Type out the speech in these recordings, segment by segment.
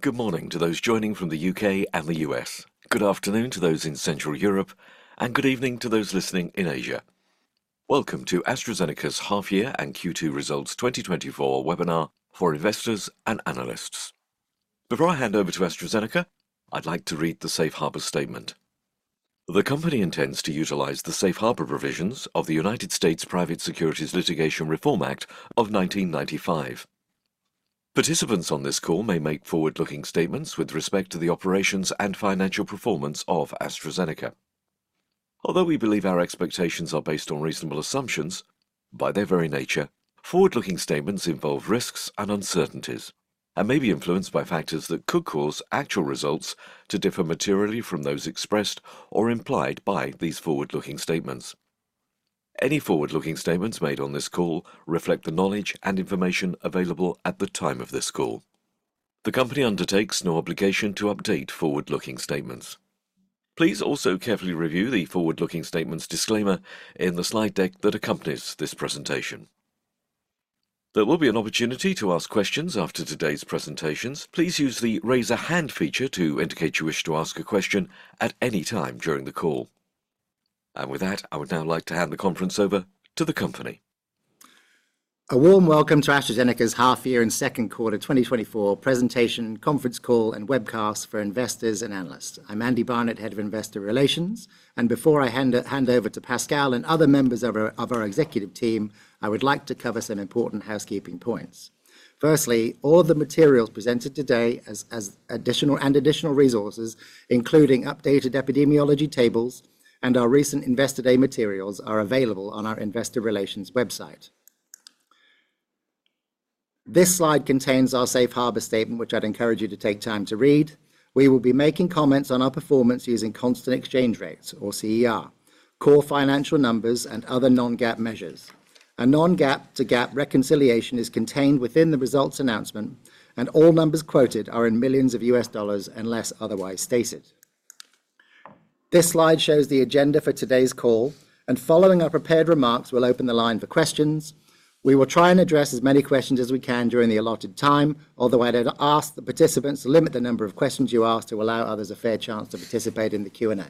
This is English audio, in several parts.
Good morning to those joining from the UK and the US. Good afternoon to those in Central Europe, and good evening to those listening in Asia. Welcome to AstraZeneca's Half Year and Q2 Results 2024 webinar for investors and analysts. Before I hand over to AstraZeneca, I'd like to read the safe harbor statement. The company intends to utilize the safe harbor provisions of the United States Private Securities Litigation Reform Act of 1995. Participants on this call may make forward-looking statements with respect to the operations and financial performance of AstraZeneca. Although we believe our expectations are based on reasonable assumptions, by their very nature, forward-looking statements involve risks and uncertainties and may be influenced by factors that could cause actual results to differ materially from those expressed or implied by these forward-looking statements. Any forward-looking statements made on this call reflect the knowledge and information available at the time of this call. The company undertakes no obligation to update forward-looking statements. Please also carefully review the forward-looking statements disclaimer in the slide deck that accompanies this presentation. There will be an opportunity to ask questions after today's presentations. Please use the Raise a Hand feature to indicate you wish to ask a question at any time during the call. With that, I would now like to hand the conference over to the company. A warm welcome to AstraZeneca's half year and second quarter 2024 presentation, conference call, and webcast for investors and analysts. I'm Andy Barnett, Head of Investor Relations, and before I hand over to Pascal and other members of our executive team, I would like to cover some important housekeeping points. Firstly, all the materials presented today as additional resources, including updated epidemiology tables and our recent Investor Day materials, are available on our investor relations website. This slide contains our safe harbor statement, which I'd encourage you to take time to read. We will be making comments on our performance using constant exchange rates, or CER, core financial numbers, and other non-GAAP measures. A non-GAAP to GAAP reconciliation is contained within the results announcement, and all numbers quoted are in millions of US dollars unless otherwise stated. This slide shows the agenda for today's call, and following our prepared remarks, we'll open the line for questions. We will try and address as many questions as we can during the allotted time, although I'd ask the participants to limit the number of questions you ask to allow others a fair chance to participate in the Q&A.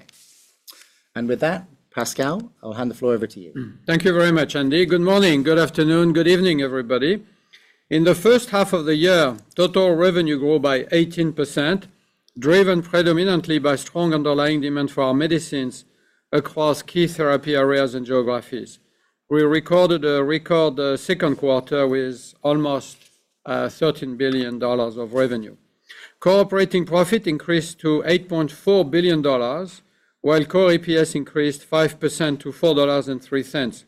With that, Pascal, I'll hand the floor over to you. Thank you very much, Andy. Good morning, good afternoon, good evening, everybody. In the first half of the year, total revenue grew by 18%, driven predominantly by strong underlying demand for our medicines across key therapy areas and geographies. We recorded a record second quarter with almost $13 billion of revenue. Core operating profit increased to $8.4 billion, while core EPS increased 5% to $4.03.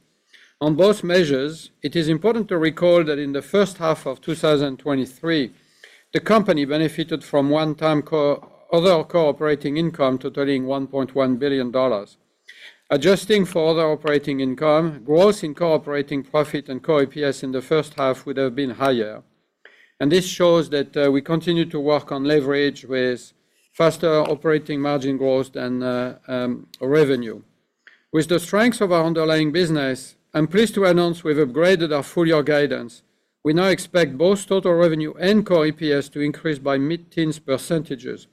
On both measures, it is important to recall that in the first half of 2023, the company benefited from one-time other core operating income totaling $1.1 billion. Adjusting for other operating income, growth in core operating profit and core EPS in the first half would have been higher, and this shows that we continue to work on leverage with faster operating margin growth than revenue. With the strength of our underlying business, I'm pleased to announce we've upgraded our full-year guidance. We now expect both total revenue and core EPS to increase by mid-teens %.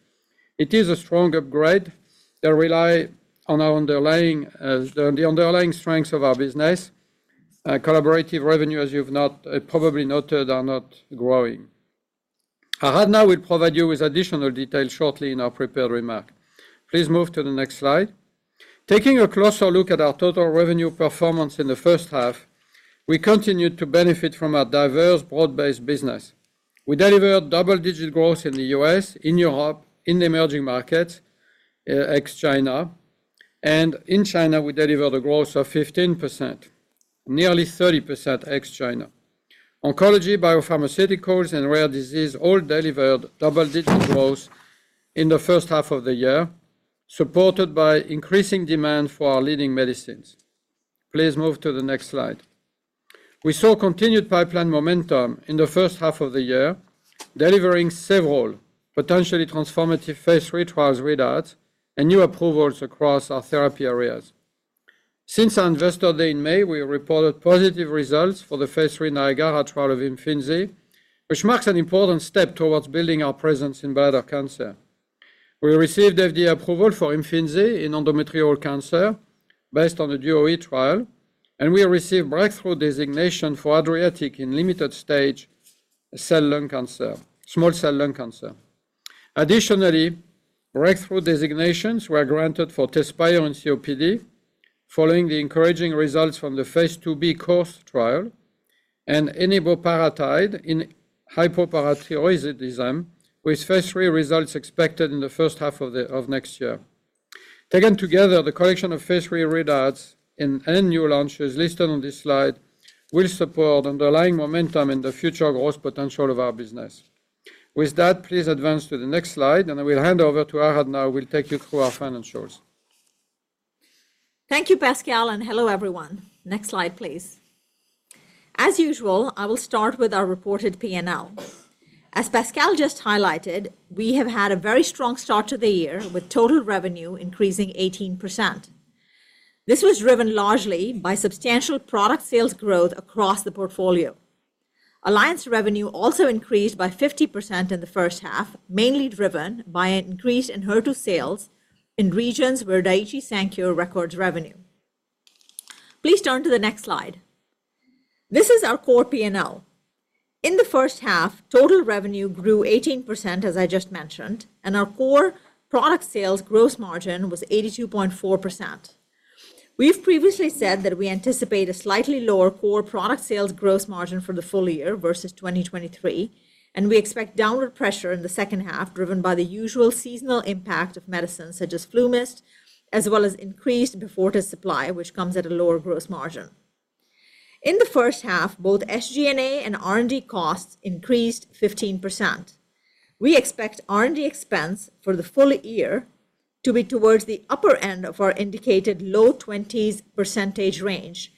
It is a strong upgrade that rely on our underlying, the underlying strengths of our business. Collaborative revenue, as you've not... probably noted, are not growing. Aradhana will provide you with additional details shortly in our prepared remarks. Please move to the next slide. Taking a closer look at our total revenue performance in the first half, we continued to benefit from our diverse, broad-based business. We delivered double-digit growth in the U.S., in Europe, in the emerging markets, ex-China, and in China, we delivered a growth of 15%, nearly 30% ex-China. Oncology, biopharmaceuticals, and rare disease all delivered double-digit growth in the first half of the year, supported by increasing demand for our leading medicines. Please move to the next slide. We saw continued pipeline momentum in the first half of the year, delivering several potentially transformative phase III trials readouts and new approvals across our therapy areas. Since our Investor Day in May, we reported positive results for the phase III NIAGARA trial of Imfinzi, which marks an important step towards building our presence in bladder cancer. We received FDA approval for Imfinzi in endometrial cancer based on the DUO-E trial, and we received breakthrough designation for ADRIATIC in limited stage cell lung cancer, small cell lung cancer. Additionally, breakthrough designations were granted for Tezspire in COPD following the encouraging results from the phase IIb COURSE trial and eneboparatide in hypoparathyroidism, with phase III results expected in the first half of next year. Taken together, the collection of phase III readouts and new launches listed on this slide will support underlying momentum and the future growth potential of our business. With that, please advance to the next slide, and I will hand over to Aradhana, who will take you through our financials. Thank you, Pascal, and hello, everyone. Next slide, please. As usual, I will start with our reported PNL. As Pascal just highlighted, we have had a very strong start to the year, with total revenue increasing 18%. ... This was driven largely by substantial product sales growth across the portfolio. Alliance revenue also increased by 50% in the first half, mainly driven by an increase in HER2 sales in regions where Daiichi Sankyo records revenue. Please turn to the next slide. This is our core P&L. In the first half, total revenue grew 18%, as I just mentioned, and our core product sales gross margin was 82.4%. We've previously said that we anticipate a slightly lower core product sales gross margin for the full year versus 2023, and we expect downward pressure in the second half, driven by the usual seasonal impact of medicines such as FluMist, as well as increased Beyfortus supply, which comes at a lower gross margin. In the first half, both SG&A and R&D costs increased 15%. We expect R&D expense for the full year to be towards the upper end of our indicated low 20s% range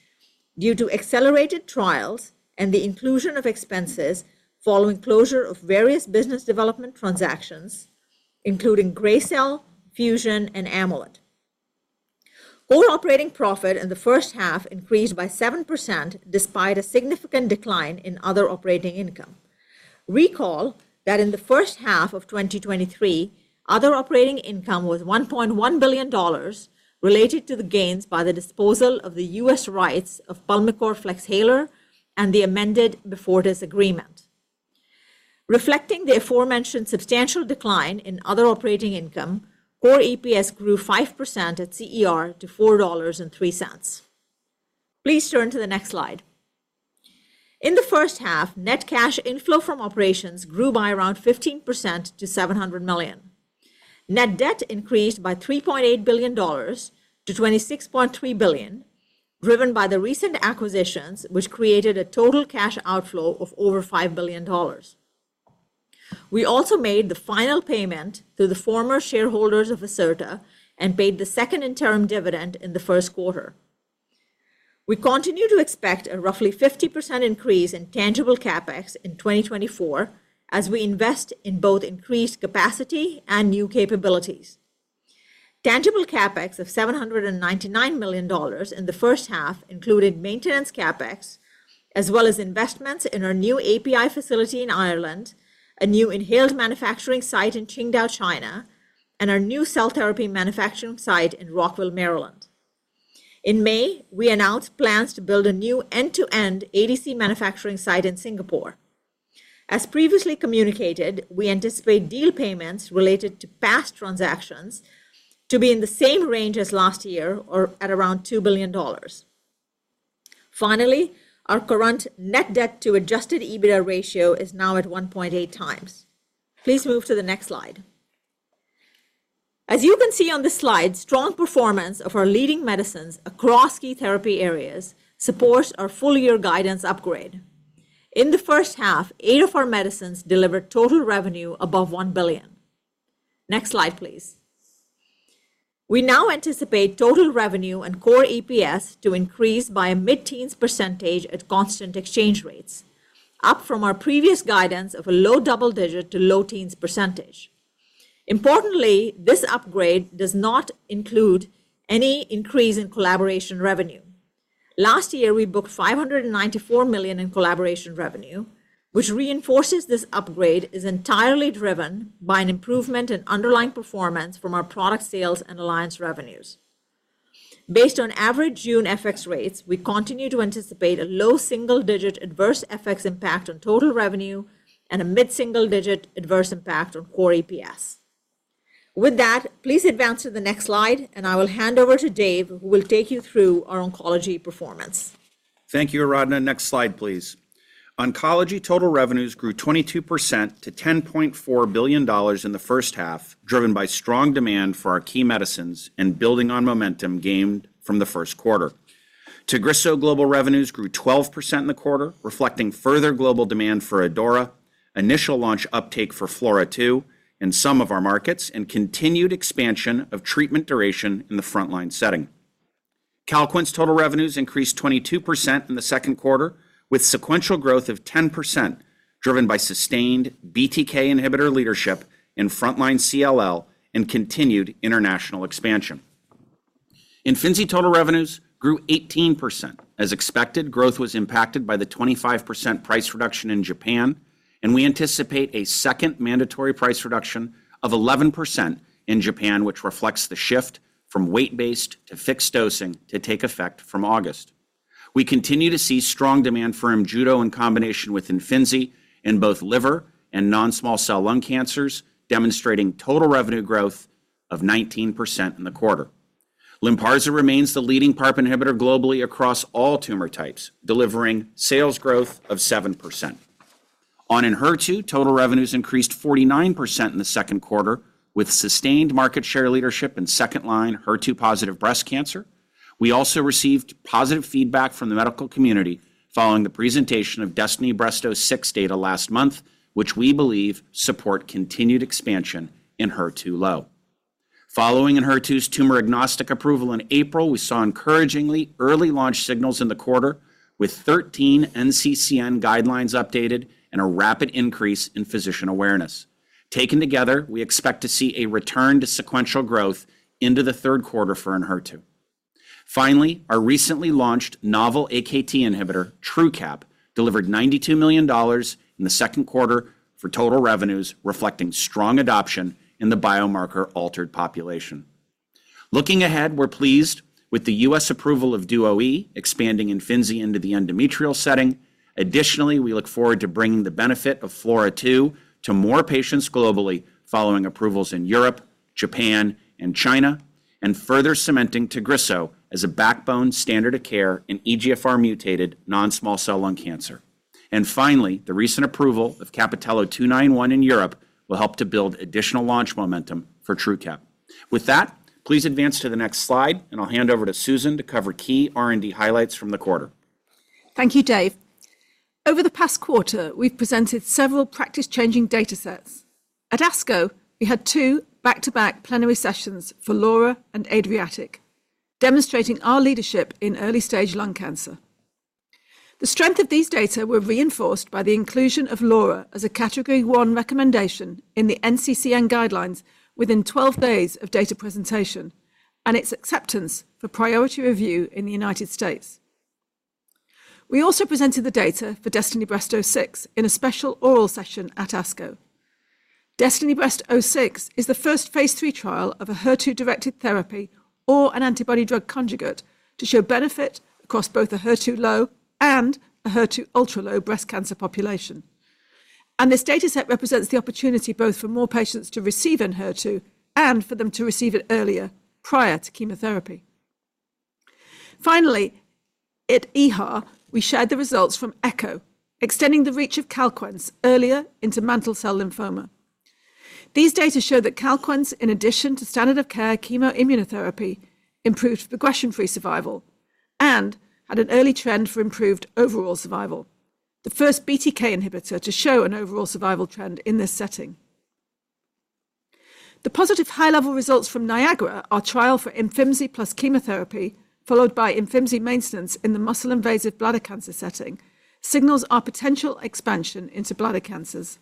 due to accelerated trials and the inclusion of expenses following closure of various business development transactions, including Gracell, Fusion, and Amolyt. Our operating profit in the first half increased by 7%, despite a significant decline in other operating income. Recall that in the first half of 2023, other operating income was $1.1 billion related to the gains from the disposal of the US rights of Pulmicort Flexhaler and the amended Beyfortus agreement. Reflecting the aforementioned substantial decline in other operating income, core EPS grew 5% at CER to $4.03. Please turn to the next slide. In the first half, net cash inflow from operations grew by around 15% to $700 million. Net debt increased by $3.8 billion to $26.3 billion, driven by the recent acquisitions, which created a total cash outflow of over $5 billion. We also made the final payment to the former shareholders of Acerta and paid the second interim dividend in the first quarter. We continue to expect a roughly 50% increase in tangible CapEx in 2024 as we invest in both increased capacity and new capabilities. Tangible CapEx of $799 million in the first half included maintenance CapEx, as well as investments in our new API facility in Ireland, a new inhaled manufacturing site in Qingdao, China, and our new cell therapy manufacturing site in Rockville, Maryland. In May, we announced plans to build a new end-to-end ADC manufacturing site in Singapore. As previously communicated, we anticipate deal payments related to past transactions to be in the same range as last year or at around $2 billion. Finally, our current net debt to adjusted EBITDA ratio is now at 1.8 times. Please move to the next slide. As you can see on this slide, strong performance of our leading medicines across key therapy areas supports our full-year guidance upgrade. In the first half, eight of our medicines delivered total revenue above $1 billion. Next slide, please. We now anticipate total revenue and core EPS to increase by a mid-teens % at constant exchange rates, up from our previous guidance of a low double-digit to low teens %. Importantly, this upgrade does not include any increase in collaboration revenue. Last year, we booked $594 million in collaboration revenue, which reinforces this upgrade is entirely driven by an improvement in underlying performance from our product sales and alliance revenues. Based on average June FX rates, we continue to anticipate a low single-digit adverse FX impact on total revenue and a mid-single-digit adverse impact on core EPS. With that, please advance to the next slide, and I will hand over to Dave, who will take you through our oncology performance. Thank you, Aradhana. Next slide, please. Oncology total revenues grew 22% to $10.4 billion in the first half, driven by strong demand for our key medicines and building on momentum gained from the first quarter. Tagrisso global revenues grew 12% in the quarter, reflecting further global demand for Tagrisso, initial launch uptake for Imfinzi in some of our markets, and continued expansion of treatment duration in the frontline setting. Calquence total revenues increased 22% in the second quarter, with sequential growth of 10%, driven by sustained BTK inhibitor leadership in frontline CLL and continued international expansion. Imfinzi total revenues grew 18%. As expected, growth was impacted by the 25% price reduction in Japan, and we anticipate a second manDatory price reduction of 11% in Japan, which reflects the shift from weight-based to fixed dosing to take effect from August. We continue to see strong demand for Imjudo in combination with Imfinzi in both liver and non-small cell lung cancers, demonstrating total revenue growth of 19% in the quarter. Lynparza remains the leading PARP inhibitor globally across all tumor types, delivering sales growth of 7%. On Enhertu, total revenues increased 49% in the second quarter, with sustained market share leadership in second-line HER2-positive breast cancer. We also received positive feedback from the medical community following the presentation of DESTINY-Breast06 data last month, which we believe support continued expansion in HER2-low. Following Enhertu's tumor-agnostic approval in April, we saw encouragingly early launch signals in the quarter.... with 13 NCCN guidelines updated and a rapid increase in physician awareness. Taken together, we expect to see a return to sequential growth into the third quarter for Enhertu. Finally, our recently launched novel AKT inhibitor, Truqap, delivered $92 million in the second quarter for total revenues, reflecting strong adoption in the biomarker altered population. Looking ahead, we're pleased with the US approval of DUO-E, expanding Imfinzi into the endometrial setting. Additionally, we look forward to bringing the benefit of FLAURA2 to more patients globally, following approvals in Europe, Japan, and China, and further cementing Tagrisso as a backbone standard of care in EGFR mutated non-small cell lung cancer. And finally, the recent approval of CAPItello-291 in Europe will help to build additional launch momentum for Truqap. With that, please advance to the next slide, and I'll hand over to Susan to cover key R&D highlights from the quarter. Thank you, Dave. Over the past quarter, we've presented several practice-changing datasets. At ASCO, we had two back-to-back plenary sessions for LAURA and ADRIATIC, demonstrating our leadership in early-stage lung cancer. The strength of these data were reinforced by the inclusion of LAURA as a Category 1 recommendation in the NCCN guidelines within 12 days of data presentation and its acceptance for priority review in the United States. We also presented the data for DESTINY-Breast06 in a special oral session at ASCO. DESTINY-Breast06 is the first phase 3 trial of a HER2-directed therapy or an antibody drug conjugate to show benefit across both the HER2-low and a HER2 ultra-low breast cancer population. This dataset represents the opportunity both for more patients to receive Enhertu and for them to receive it earlier, prior to chemotherapy. Finally, at EHA, we shared the results from ECHO, extending the reach of Calquence earlier into mantle cell lymphoma. These data show that Calquence, in addition to standard of care chemoimmunotherapy, improved progression-free survival and had an early trend for improved overall survival, the first BTK inhibitor to show an overall survival trend in this setting. The positive high-level results from NIAGARA, our trial for Imfinzi plus chemotherapy, followed by Imfinzi maintenance in the muscle-invasive bladder cancer setting, signals our potential expansion into bladder cancers.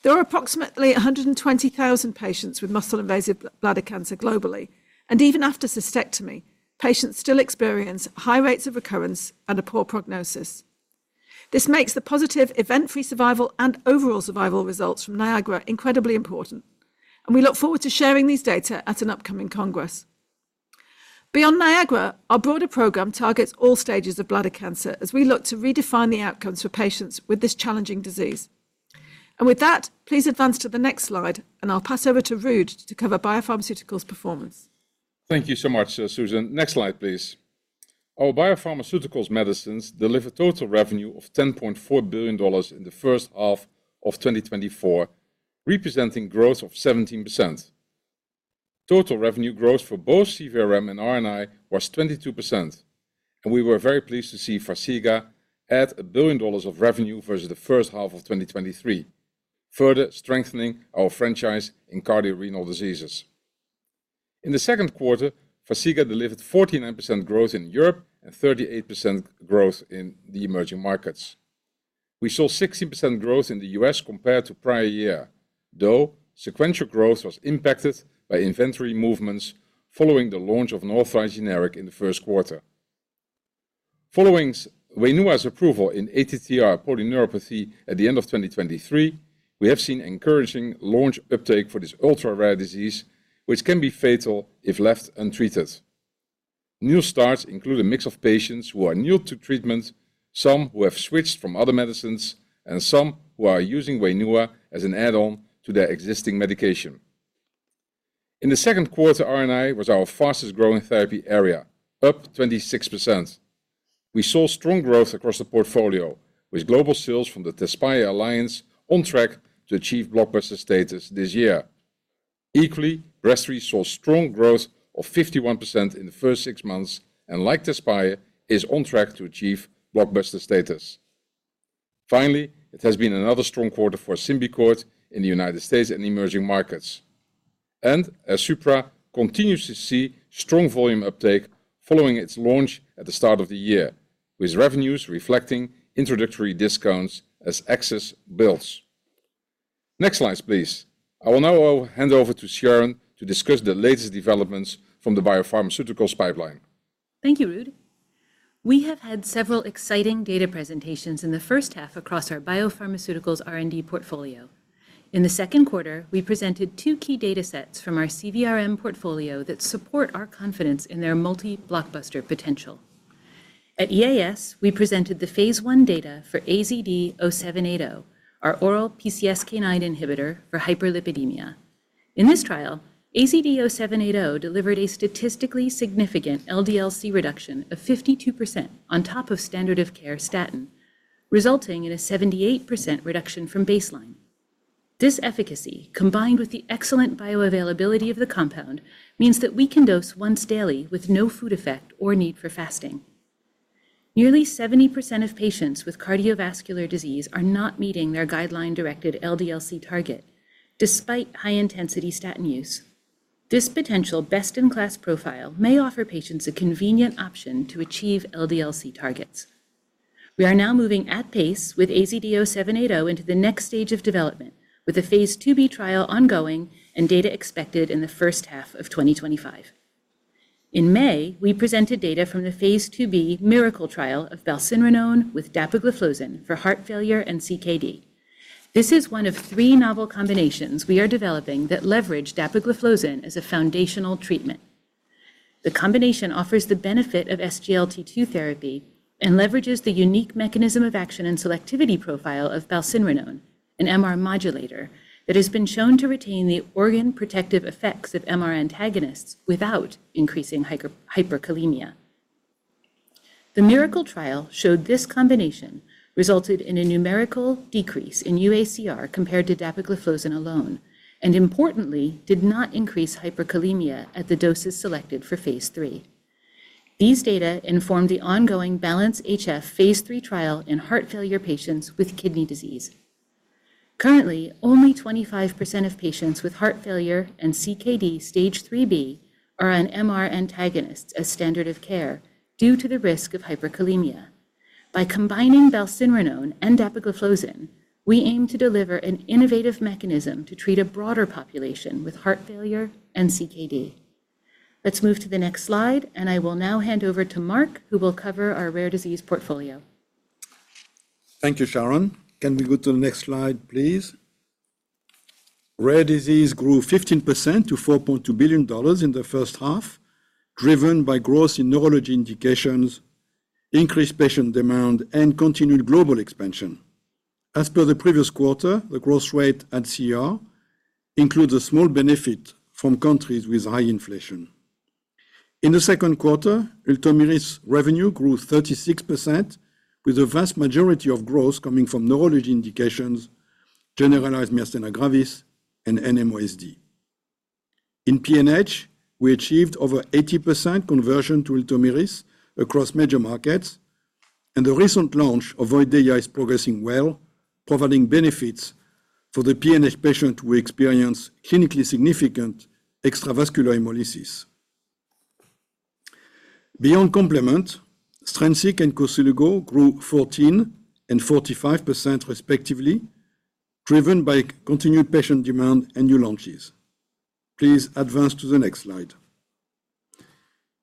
There are approximately 120,000 patients with muscle-invasive bladder cancer globally, and even after cystectomy, patients still experience high rates of recurrence and a poor prognosis. This makes the positive event-free survival and overall survival results from NIAGARA incredibly important, and we look forward to sharing these data at an upcoming congress. Beyond NIAGARA, our broader program targets all stages of bladder cancer as we look to redefine the outcomes for patients with this challenging disease. With that, please advance to the next slide, and I'll pass over to Ruud to cover BioPharmaceuticals performance. Thank you so much, Susan. Next slide, please. Our Biopharmaceuticals medicines deliver total revenue of $10.4 billion in the first half of 2024, representing growth of 17%. Total revenue growth for both CVRM and RNI was 22%, and we were very pleased to see Farxiga add $1 billion of revenue versus the first half of 2023, further strengthening our franchise in cardiorenal diseases. In the second quarter, Farxiga delivered 49% growth in Europe and 38% growth in the emerging markets. We saw 60% growth in the US compared to prior year, though sequential growth was impacted by inventory movements following the launch of an authorized generic in the first quarter. Following Wainua's approval in ATTR polyneuropathy at the end of 2023, we have seen encouraging launch uptake for this ultra-rare disease, which can be fatal if left untreated. New starts include a mix of patients who are new to treatment, some who have switched from other medicines, and some who are using Wainua as an add-on to their existing medication. In the second quarter, RNI was our fastest-growing therapy area, up 26%. We saw strong growth across the portfolio, with global sales from the Tezspire Alliance on track to achieve blockbuster status this year. Equally, Breztri saw strong growth of 51% in the first six months, and like Tezspire, is on track to achieve blockbuster status. Finally, it has been another strong quarter for Symbicort in the United States and emerging markets, and as Airsupra continues to see strong volume uptake following its launch at the start of the year, with revenues reflecting introductory discounts as access builds. Next slides, please. I will now hand over to Sharon to discuss the latest developments from the BioPharmaceuticals pipeline. Thank you, Ruud. We have had several exciting data presentations in the first half across our Biopharmaceuticals R&D portfolio. In the second quarter, we presented 2 key datasets from our CVRM portfolio that support our confidence in their multi-blockbuster potential. At EAS, we presented the phase 1 data for AZD0780, our oral PCSK9 inhibitor for hyperlipidemia. In this trial, AZD0780 delivered a statistically significant LDL-C reduction of 52% on top of standard of care statin, resulting in a 78% reduction from baseline. This efficacy, combined with the excellent bioavailability of the compound, means that we can dose once daily with no food effect or need for fasting. Nearly 70% of patients with cardiovascular disease are not meeting their guideline-directed LDL-C target despite high-intensity statin use. This potential best-in-class profile may offer patients a convenient option to achieve LDL-C targets. We are now moving at pace with AZD0780 into the next stage of development, with a phase IIb trial ongoing and data expected in the first half of 2025. In May, we presented data from the phase IIb MIRACLE trial of balcinrenone with dapagliflozin for heart failure and CKD. This is one of three novel combinations we are developing that leverage dapagliflozin as a foundational treatment. The combination offers the benefit of SGLT2 therapy and leverages the unique mechanism of action and selectivity profile of balcinrenone, an MR modulator that has been shown to retain the organ protective effects of MR antagonists without increasing hyperkalemia. The MIRACLE trial showed this combination resulted in a numerical decrease in UACR compared to dapagliflozin alone, and importantly, did not increase hyperkalemia at the doses selected for phase III. These data inform the ongoing BALANCE-HF phase III trial in heart failure patients with kidney disease. Currently, only 25% of patients with heart failure and CKD Stage IIIb are on MR antagonists as standard of care due to the risk of hyperkalemia. By combining balcinrenone and dapagliflozin, we aim to deliver an innovative mechanism to treat a broader population with heart failure and CKD. Let's move to the next slide, and I will now hand over to Marc, who will cover our rare disease portfolio. Thank you, Sharon. Can we go to the next slide, please? Rare disease grew 15% to $4.2 billion in the first half, driven by growth in neurology indications, increased patient demand, and continued global expansion. As per the previous quarter, the growth rate at CR includes a small benefit from countries with high inflation. In the second quarter, Ultomiris revenue grew 36%, with the vast majority of growth coming from neurology indications, generalized myasthenia gravis, and NMOSD. In PNH, we achieved over 80% conversion to Ultomiris across major markets, and the recent launch of Voydeya is progressing well, providing benefits for the PNH patient who experience clinically significant extravascular hemolysis. Beyond complement, Strensiq and Koselugo grew 14% and 45%, respectively, driven by continued patient demand and new launches. Please advance to the next slide.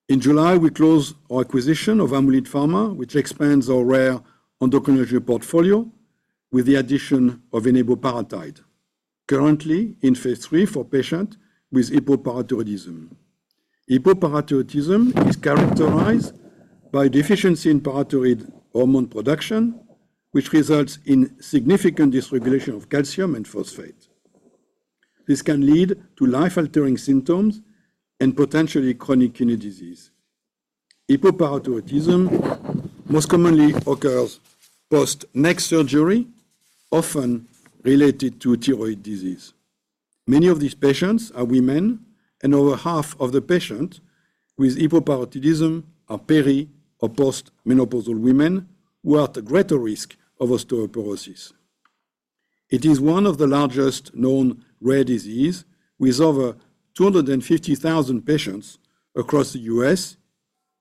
In July, we closed our acquisition of Amolyt Pharma, which expands our rare endocrinology portfolio with the addition of eneboparatide, currently in phase III for patients with hypoparathyroidism. Hypoparathyroidism is characterized by deficiency in parathyroid hormone production, which results in significant dysregulation of calcium and phosphate. This can lead to life-altering symptoms and potentially chronic kidney disease. Hypoparathyroidism most commonly occurs post neck surgery, often related to thyroid disease. Many of these patients are women, and over half of the patients with hypoparathyroidism are peri- or post-menopausal women who are at a greater risk of osteoporosis. It is one of the largest known rare disease, with over 250,000 patients across the U.S.,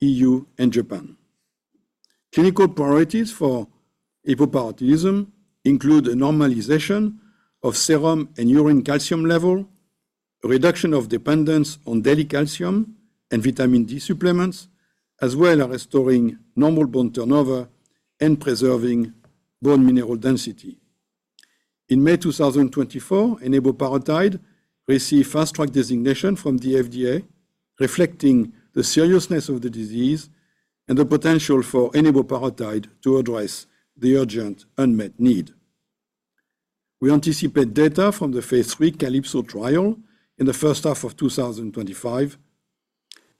EU, and Japan. Clinical priorities for hypoparathyroidism include a normalization of serum and urine calcium level, reduction of dependence on daily calcium and vitamin D supplements, as well as restoring normal bone turnover and preserving bone mineral density. In May 2024, eneboparatide received Fast Track Designation from the FDA, reflecting the seriousness of the disease and the potential for eneboparatide to address the urgent unmet need. We anticipate data from the phase III CALIPSO trial in the first half of 2025,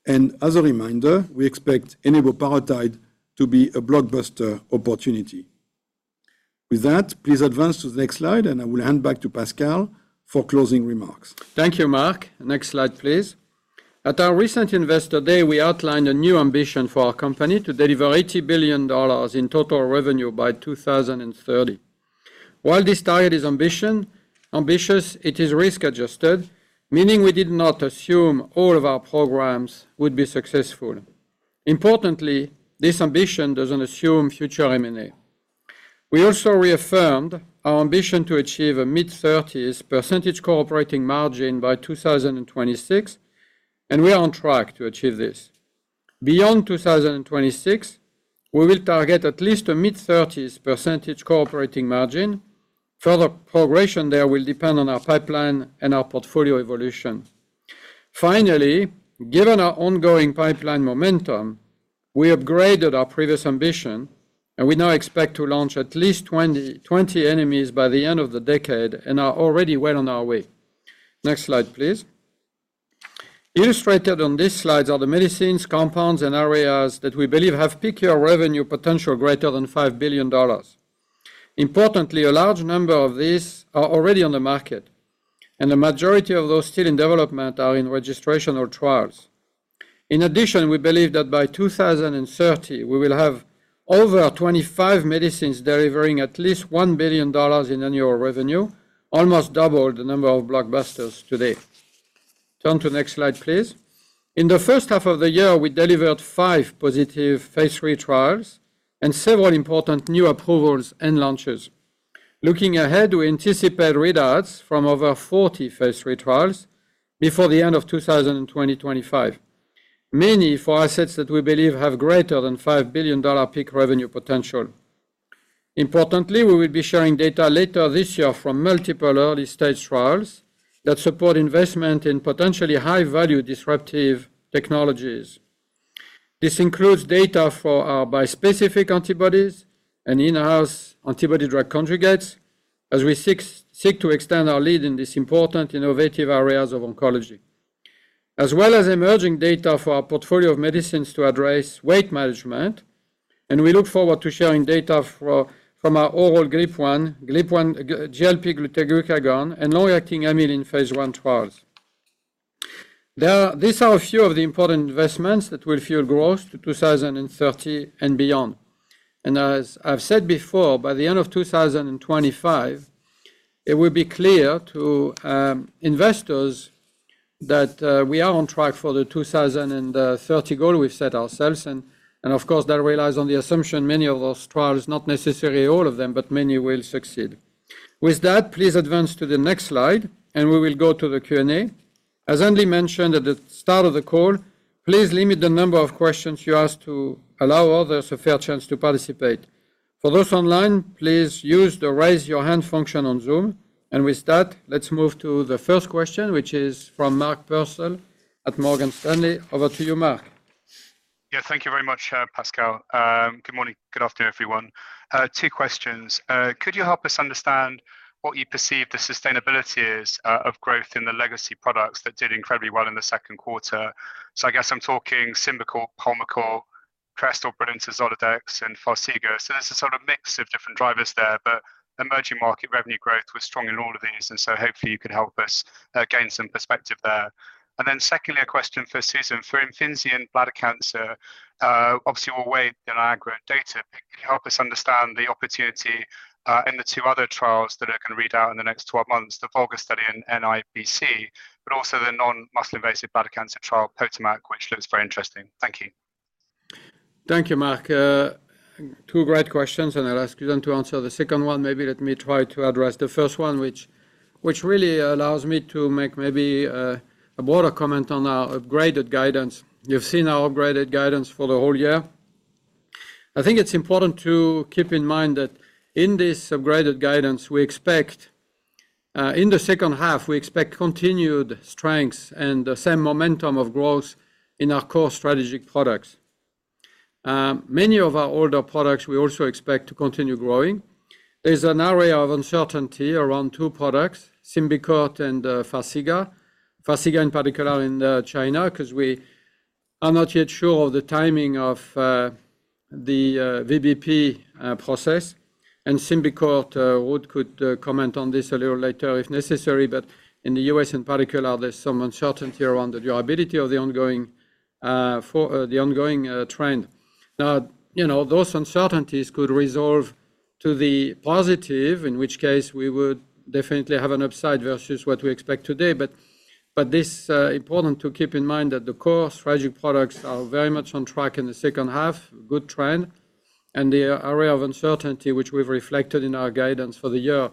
and as a reminder, we expect eneboparatide to be a blockbuster opportunity. With that, please advance to the next slide, and I will hand back to Pascal for closing remarks. Thank you, Marc. Next slide, please. At our recent Investor Day, we outlined a new ambition for our company to deliver $80 billion in total revenue by 2030. While this target is ambitious, it is risk-adjusted, meaning we did not assume all of our programs would be successful. Importantly, this ambition doesn't assume future M&A. We also reaffirmed our ambition to achieve a mid-30s% core operating margin by 2026, and we are on track to achieve this. Beyond 2026, we will target at least a mid-30s% core operating margin. Further progression there will depend on our pipeline and our portfolio evolution. Finally, given our ongoing pipeline momentum, we upgraded our previous ambition, and we now expect to launch at least 20-20 NMEs by the end of the decade and are already well on our way. Next slide, please. Illustrated on these slides are the medicines, compounds, and areas that we believe have peak year revenue potential greater than $5 billion. Importantly, a large number of these are already on the market, and the majority of those still in development are in registrational trials. In addition, we believe that by 2030, we will have over 25 medicines delivering at least $1 billion in annual revenue, almost double the number of blockbusters today. Turn to the next slide, please. In the first half of the year, we delivered 5 positive phase 3 trials and several important new approvals and launches. Looking ahead, we anticipate readouts from over 40 phase 3 trials before the end of 2025. Many for assets that we believe have greater than $5 billion peak revenue potential. Importantly, we will be sharing data later this year from multiple early-stage trials that support investment in potentially high-value disruptive technologies. This includes data for our bispecific antibodies and in-house antibody drug conjugates, as we seek to extend our lead in these important innovative areas of oncology. As well as emerging data for our portfolio of medicines to address weight management, and we look forward to sharing data from our oral GLP-1, GLP-1 glucagon and long-acting amylin in phase one trials. These are a few of the important investments that will fuel growth to 2030 and beyond. And as I've said before, by the end of 2025, it will be clear to investors that we are on track for the 2030 goal we've set ourselves. And of course, that relies on the assumption many of those trials, not necessarily all of them, but many will succeed. With that, please advance to the next slide, and we will go to the Q&A. As Andy mentioned at the start of the call, please limit the number of questions you ask to allow others a fair chance to participate. For those online, please use the Raise Your Hand function on Zoom. And with that, let's move to the first question, which is from Mark Purcell at Morgan Stanley. Over to you, Mark. Yeah, thank you very much, Pascal. Good morning. Good afternoon, everyone. Two questions. Could you help us understand what you perceive the sustainability is of growth in the legacy products that did incredibly well in the second quarter? So I guess I'm talking Symbicort, Pulmicort, Crestor, Brilinta, Zoladex, and Farxiga. So there's a sort of mix of different drivers there, but emerging market revenue growth was strong in all of these, and so hopefully you could help us gain some perspective there. And then secondly, a question for Susan. For Imfinzi and bladder cancer, obviously, we'll wait on NIAGARA data. Can you help us understand the opportunity in the two other trials that are going to read out in the next 12 months, the VOLGA study and MIBC, but also the non-muscle invasive bladder cancer trial, POTOMAC, which looks very interesting. Thank you. Thank you, Mark. Two great questions, and I'll ask Susan to answer the second one. Maybe let me try to address the first one, which really allows me to make maybe a broader comment on our upgraded guidance. You've seen our upgraded guidance for the whole year. I think it's important to keep in mind that in this upgraded guidance, we expect in the second half, we expect continued strengths and the same momentum of growth in our core strategic products. Many of our older products, we also expect to continue growing. There's an array of uncertainty around two products, Symbicort and Farxiga. Farxiga, in particular in China, 'cause we are not yet sure of the timing of the VBP process, and Symbicort, Ruud could comment on this a little later if necessary. But in the U.S., in particular, there's some uncertainty around the durability of the ongoing trend. Now, you know, those uncertainties could resolve to the positive, in which case we would definitely have an upside versus what we expect today. But this important to keep in mind that the core strategic products are very much on track in the second half, good trend, and the area of uncertainty, which we've reflected in our guidance for the year,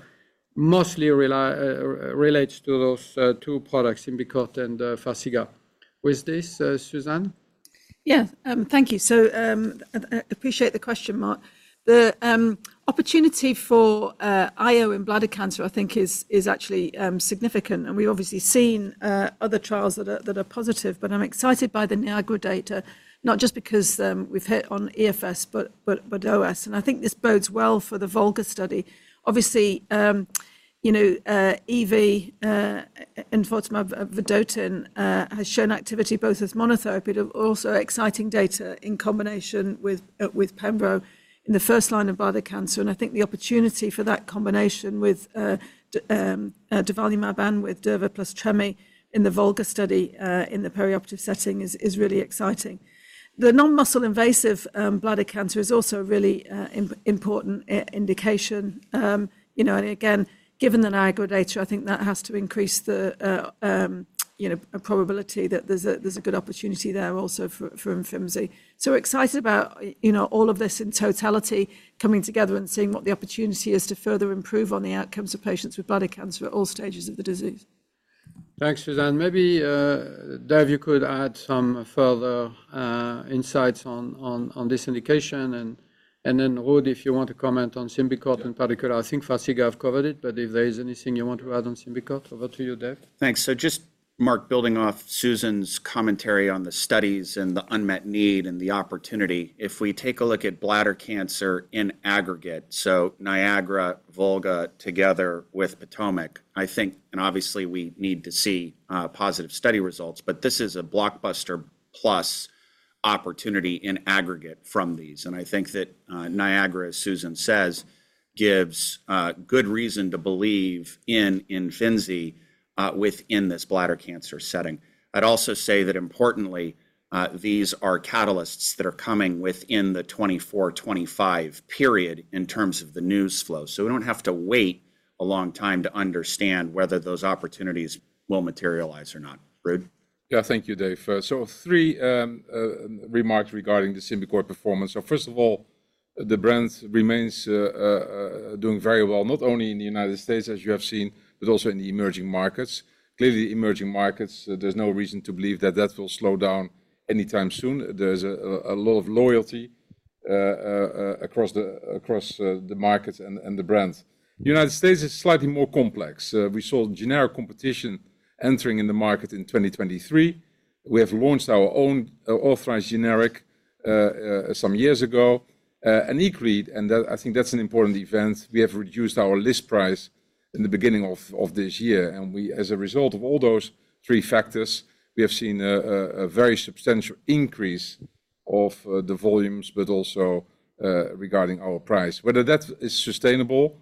mostly relates to those two products, Symbicort and Farxiga. With this, Susan? Yeah, thank you. So, I appreciate the question, Mark. The opportunity for IO in bladder cancer, I think is actually significant, and we've obviously seen other trials that are positive. But I'm excited by the NIAGARA data, not just because we've hit on EFS, but OS, and I think this bodes well for the VOLGA study. Obviously, you know, Enfortumab vedotin has shown activity both as monotherapy, but also exciting data in combination with pembro in the first line of bladder cancer. And I think the opportunity for that combination with durvalumab and with durva plus tremi in the VOLGA study in the perioperative setting is really exciting. The non-muscle invasive bladder cancer is also a really important indication. You know, and again, given the NIAGARA data, I think that has to increase the probability that there's a good opportunity there also for Imfinzi. So we're excited about, you know, all of this in totality coming together and seeing what the opportunity is to further improve on the outcomes of patients with bladder cancer at all stages of the disease. Thanks, Susan. Maybe Dave, you could add some further insights on this indication, and then Ruud, if you want to comment on Symbicort in particular. I think Farxiga I've covered it, but if there is anything you want to add on Symbicort, over to you, Dave. Thanks. So just Mark, building off Susan's commentary on the studies and the unmet need and the opportunity, if we take a look at bladder cancer in aggregate, so NIAGARA, VOLGA, together with POTOMAC, I think... And obviously, we need to see positive study results, but this is a blockbuster plus opportunity in aggregate from these. And I think that NIAGARA, as Susan says, gives good reason to believe in Imfinzi within this bladder cancer setting. I'd also say that importantly, these are catalysts that are coming within the 2024-2025 period in terms of the news flow. So we don't have to wait a long time to understand whether those opportunities will materialize or not. Ruud? Yeah, thank you, Dave. So three remarks regarding the Symbicort performance. So first of all, the brand remains doing very well, not only in the United States, as you have seen, but also in the emerging markets. Clearly, emerging markets, there's no reason to believe that that will slow down anytime soon. There's a lot of loyalty across the markets and the brands. United States is slightly more complex. We saw generic competition entering in the market in 2023. We have launched our own authorized generic some years ago, and agreed, and that I think that's an important event. We have reduced our list price in the beginning of this year, and we, as a result of all those three factors, we have seen a very substantial increase of the volumes, but also regarding our price. Whether that is sustainable,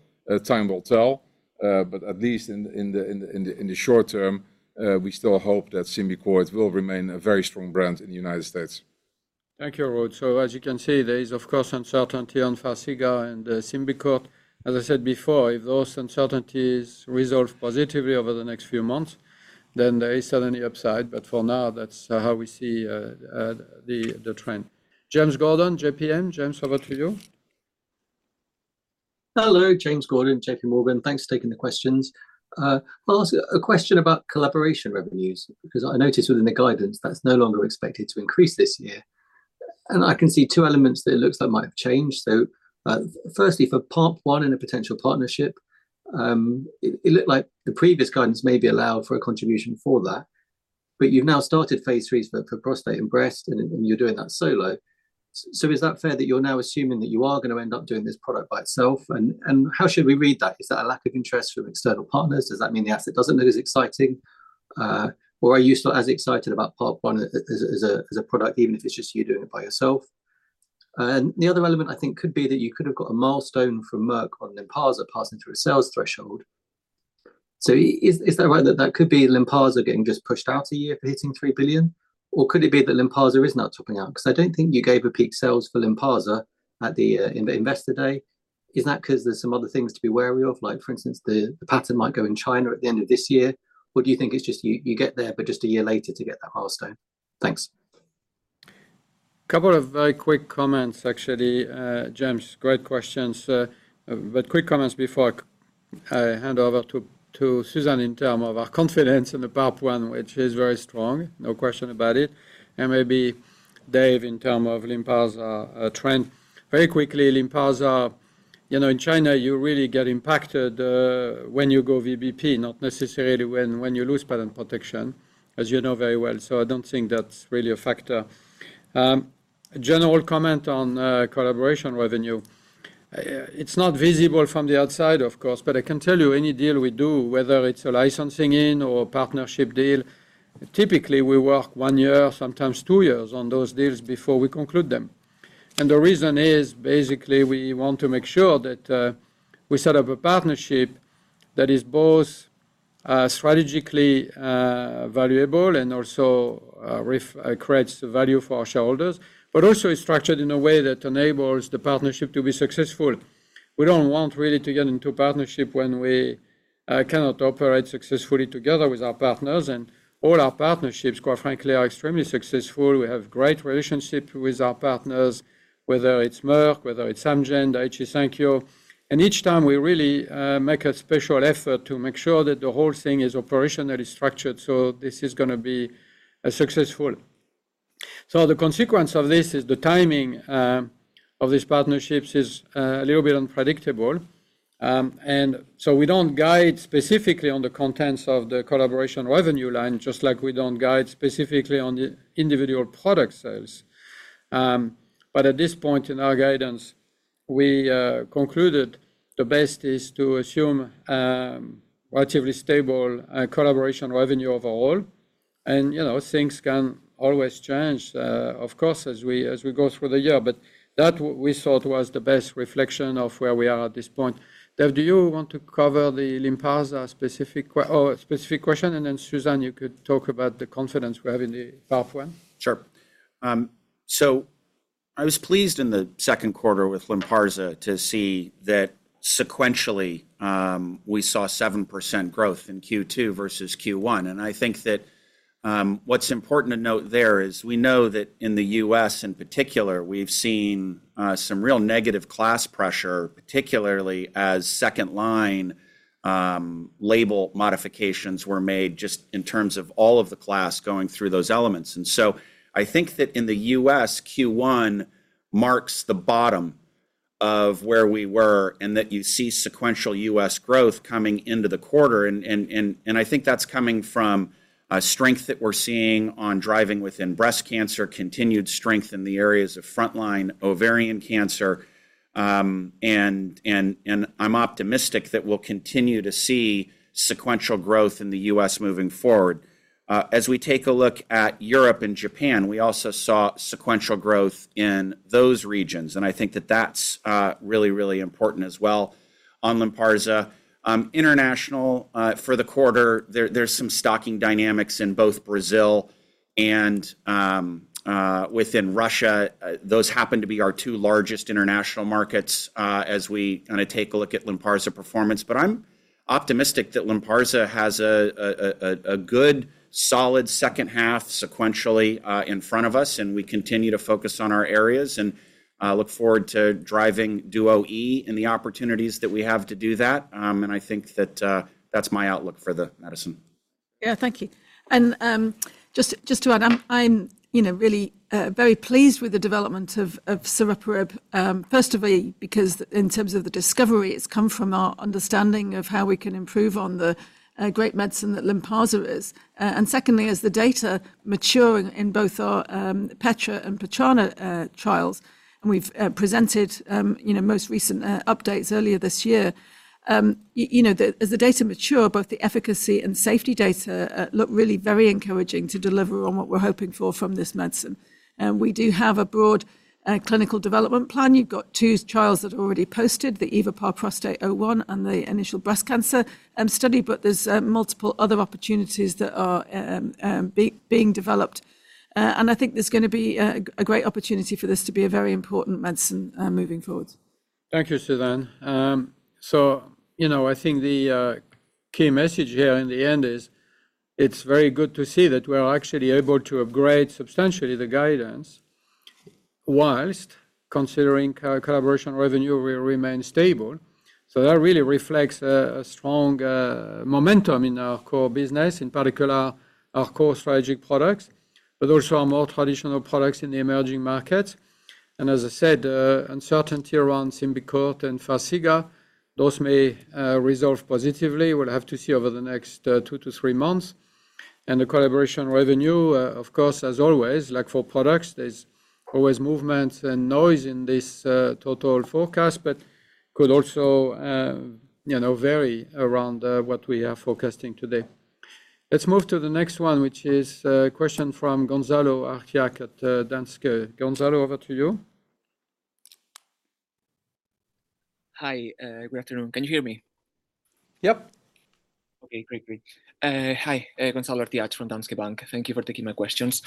time will tell, but at least in the short term, we still hope that Symbicort will remain a very strong brand in the United States. Thank you, Ruud. So as you can see, there is, of course, uncertainty on Farxiga and Symbicort. As I said before, if those uncertainties resolve positively over the next few months, then there is certainly upside, but for now, that's how we see the trend. James Gordon, JPM. James, over to you. Hello, James Gordon, J.P. Morgan. Thanks for taking the questions. I'll ask a question about collaboration revenues, because I noticed within the guidance, that's no longer expected to increase this year. And I can see two elements that it looks like might have changed. So, firstly, for PARP1 in a potential partnership, it looked like the previous guidance maybe allowed for a contribution for that, but you've now started phase threes for prostate and breast, and you're doing that solo. So is that fair that you're now assuming that you are going to end up doing this product by itself? And how should we read that? Is that a lack of interest from external partners? Does that mean the asset doesn't look as exciting, or are you still as excited about PARP1 as a product, even if it's just you doing it by yourself? And the other element, I think, could be that you could have got a milestone from Merck on Lynparza passing through a sales threshold. So is that right, that that could be Lynparza getting just pushed out a year for hitting $3 billion? Or could it be that Lynparza is now topping out? Because I don't think you gave a peak sales for Lynparza at the in the Investor Day. Is that 'cause there's some other things to be wary of, like, for instance, the patent might go in China at the end of this year? Or do you think it's just you, you get there, but just a year later to get that milestone? Thanks. A couple of very quick comments, actually, James. Great questions, but quick comments before I hand over to Susan in terms of our confidence in the PARP1, which is very strong, no question about it, and maybe Dave, in terms of Lynparza trend. Very quickly, Lynparza, you know, in China, you really get impacted when you go VBP, not necessarily when you lose patent protection, as you know very well. So I don't think that's really a factor. General comment on collaboration revenue. It's not visible from the outside, of course, but I can tell you any deal we do, whether it's a licensing in or a partnership deal, typically, we work one year, sometimes two years, on those deals before we conclude them. The reason is, basically, we want to make sure that we set up a partnership that is both, strategically, valuable and also creates value for our shareholders, but also is structured in a way that enables the partnership to be successful. We don't want really to get into a partnership when we cannot operate successfully together with our partners, and all our partnerships, quite frankly, are extremely successful. We have great relationships with our partners, whether it's Merck, whether it's Amgen, Daiichi Sankyo. And each time we really make a special effort to make sure that the whole thing is operationally structured, so this is gonna be successful. So the consequence of this is the timing of these partnerships is a little bit unpredictable. So we don't guide specifically on the contents of the collaboration revenue line, just like we don't guide specifically on the individual product sales. But at this point in our guidance, we concluded the best is to assume relatively stable collaboration revenue overall. And, you know, things can always change, of course, as we go through the year, but that, we thought, was the best reflection of where we are at this point. Dave, do you want to cover the Lynparza specific question, and then, Susan, you could talk about the confidence we have in the PARP1? Sure. So I was pleased in the second quarter with Lynparza to see that sequentially, we saw 7% growth in Q2 versus Q1. And I think that what's important to note there is we know that in the US, in particular, we've seen some real negative class pressure, particularly as second-line label modifications were made just in terms of all of the class going through those elements. And so I think that in the US, Q1 marks the bottom of where we were, and that you see sequential US growth coming into the quarter. And I think that's coming from a strength that we're seeing on driving within breast cancer, continued strength in the areas of frontline ovarian cancer, and I'm optimistic that we'll continue to see sequential growth in the US moving forward. As we take a look at Europe and Japan, we also saw sequential growth in those regions, and I think that that's really, really important as well. On Lynparza, international, for the quarter, there's some stocking dynamics in both Brazil and within Russia. Those happen to be our two largest international markets, as we kinda take a look at Lynparza performance. But I'm optimistic that Lynparza has a good, solid second half sequentially in front of us, and we continue to focus on our areas and look forward to driving DuoE and the opportunities that we have to do that. And I think that that's my outlook for the medicine. Yeah, thank you. And just to add, I'm you know, really very pleased with the development of saruparib. Firstly, because in terms of the discovery, it's come from our understanding of how we can improve on the great medicine that Lynparza is. And secondly, as the data mature in both our PETRA and PETRANHA trials, and we've presented you know, most recent updates earlier this year. You know, as the data mature, both the efficacy and safety data look really very encouraging to deliver on what we're hoping for from this medicine. And we do have a broad clinical development plan. You've got 2 trials that are already posted, the EvoPAR-Prostate01 and the initial breast cancer study, but there's multiple other opportunities that are being developed. And I think there's gonna be a great opportunity for this to be a very important medicine moving forward. Thank you, Susan. So, you know, I think the key message here in the end is, it's very good to see that we're actually able to upgrade substantially the guidance, whilst considering collaboration revenue will remain stable. So that really reflects a strong momentum in our core business, in particular, our core strategic products, but also our more traditional products in the emerging markets. And as I said, uncertainty around Symbicort and Farxiga, those may resolve positively. We'll have to see over the next two to three months. And the collaboration revenue, of course, as always, like for products, there's always movement and noise in this total forecast, but could also, you know, vary around what we are forecasting today. Let's move to the next one, which is a question from Gonzalo Artiach at Danske. Gonzalo, over to you. Hi, good afternoon. Can you hear me? Yep. Okay, great, great. Hi, Gonzalo Artiach from Danske Bank. Thank you for taking my questions,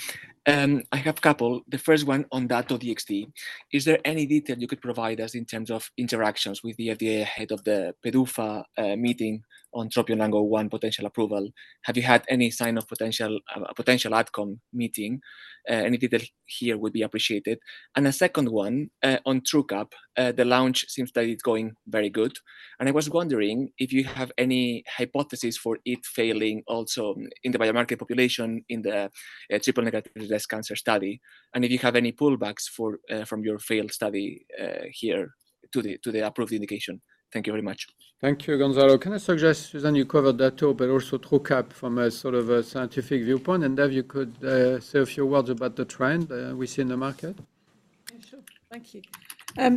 and I have a couple. The first one on that of the XT. Is there any detail you could provide us in terms of interactions with the FDA ahead of the PDUFA meeting on TROPION-Lung01 potential approval? Have you had any sign of potential a potential outcome meeting? Any detail here would be appreciated. And the second one on Truqap, the launch seems that it's going very good, and I was wondering if you have any hypothesis for it failing also in the biomarker population in the triple negative breast cancer study, and if you have any pullbacks for from your failed study here to the to the approved indication. Thank you very much. Thank you, Gonzalo. Can I suggest, Susan, you cover that too, but also Truqap from a sort of a scientific viewpoint, and Dave, you could say a few words about the trend we see in the market? Yeah, sure. Thank you.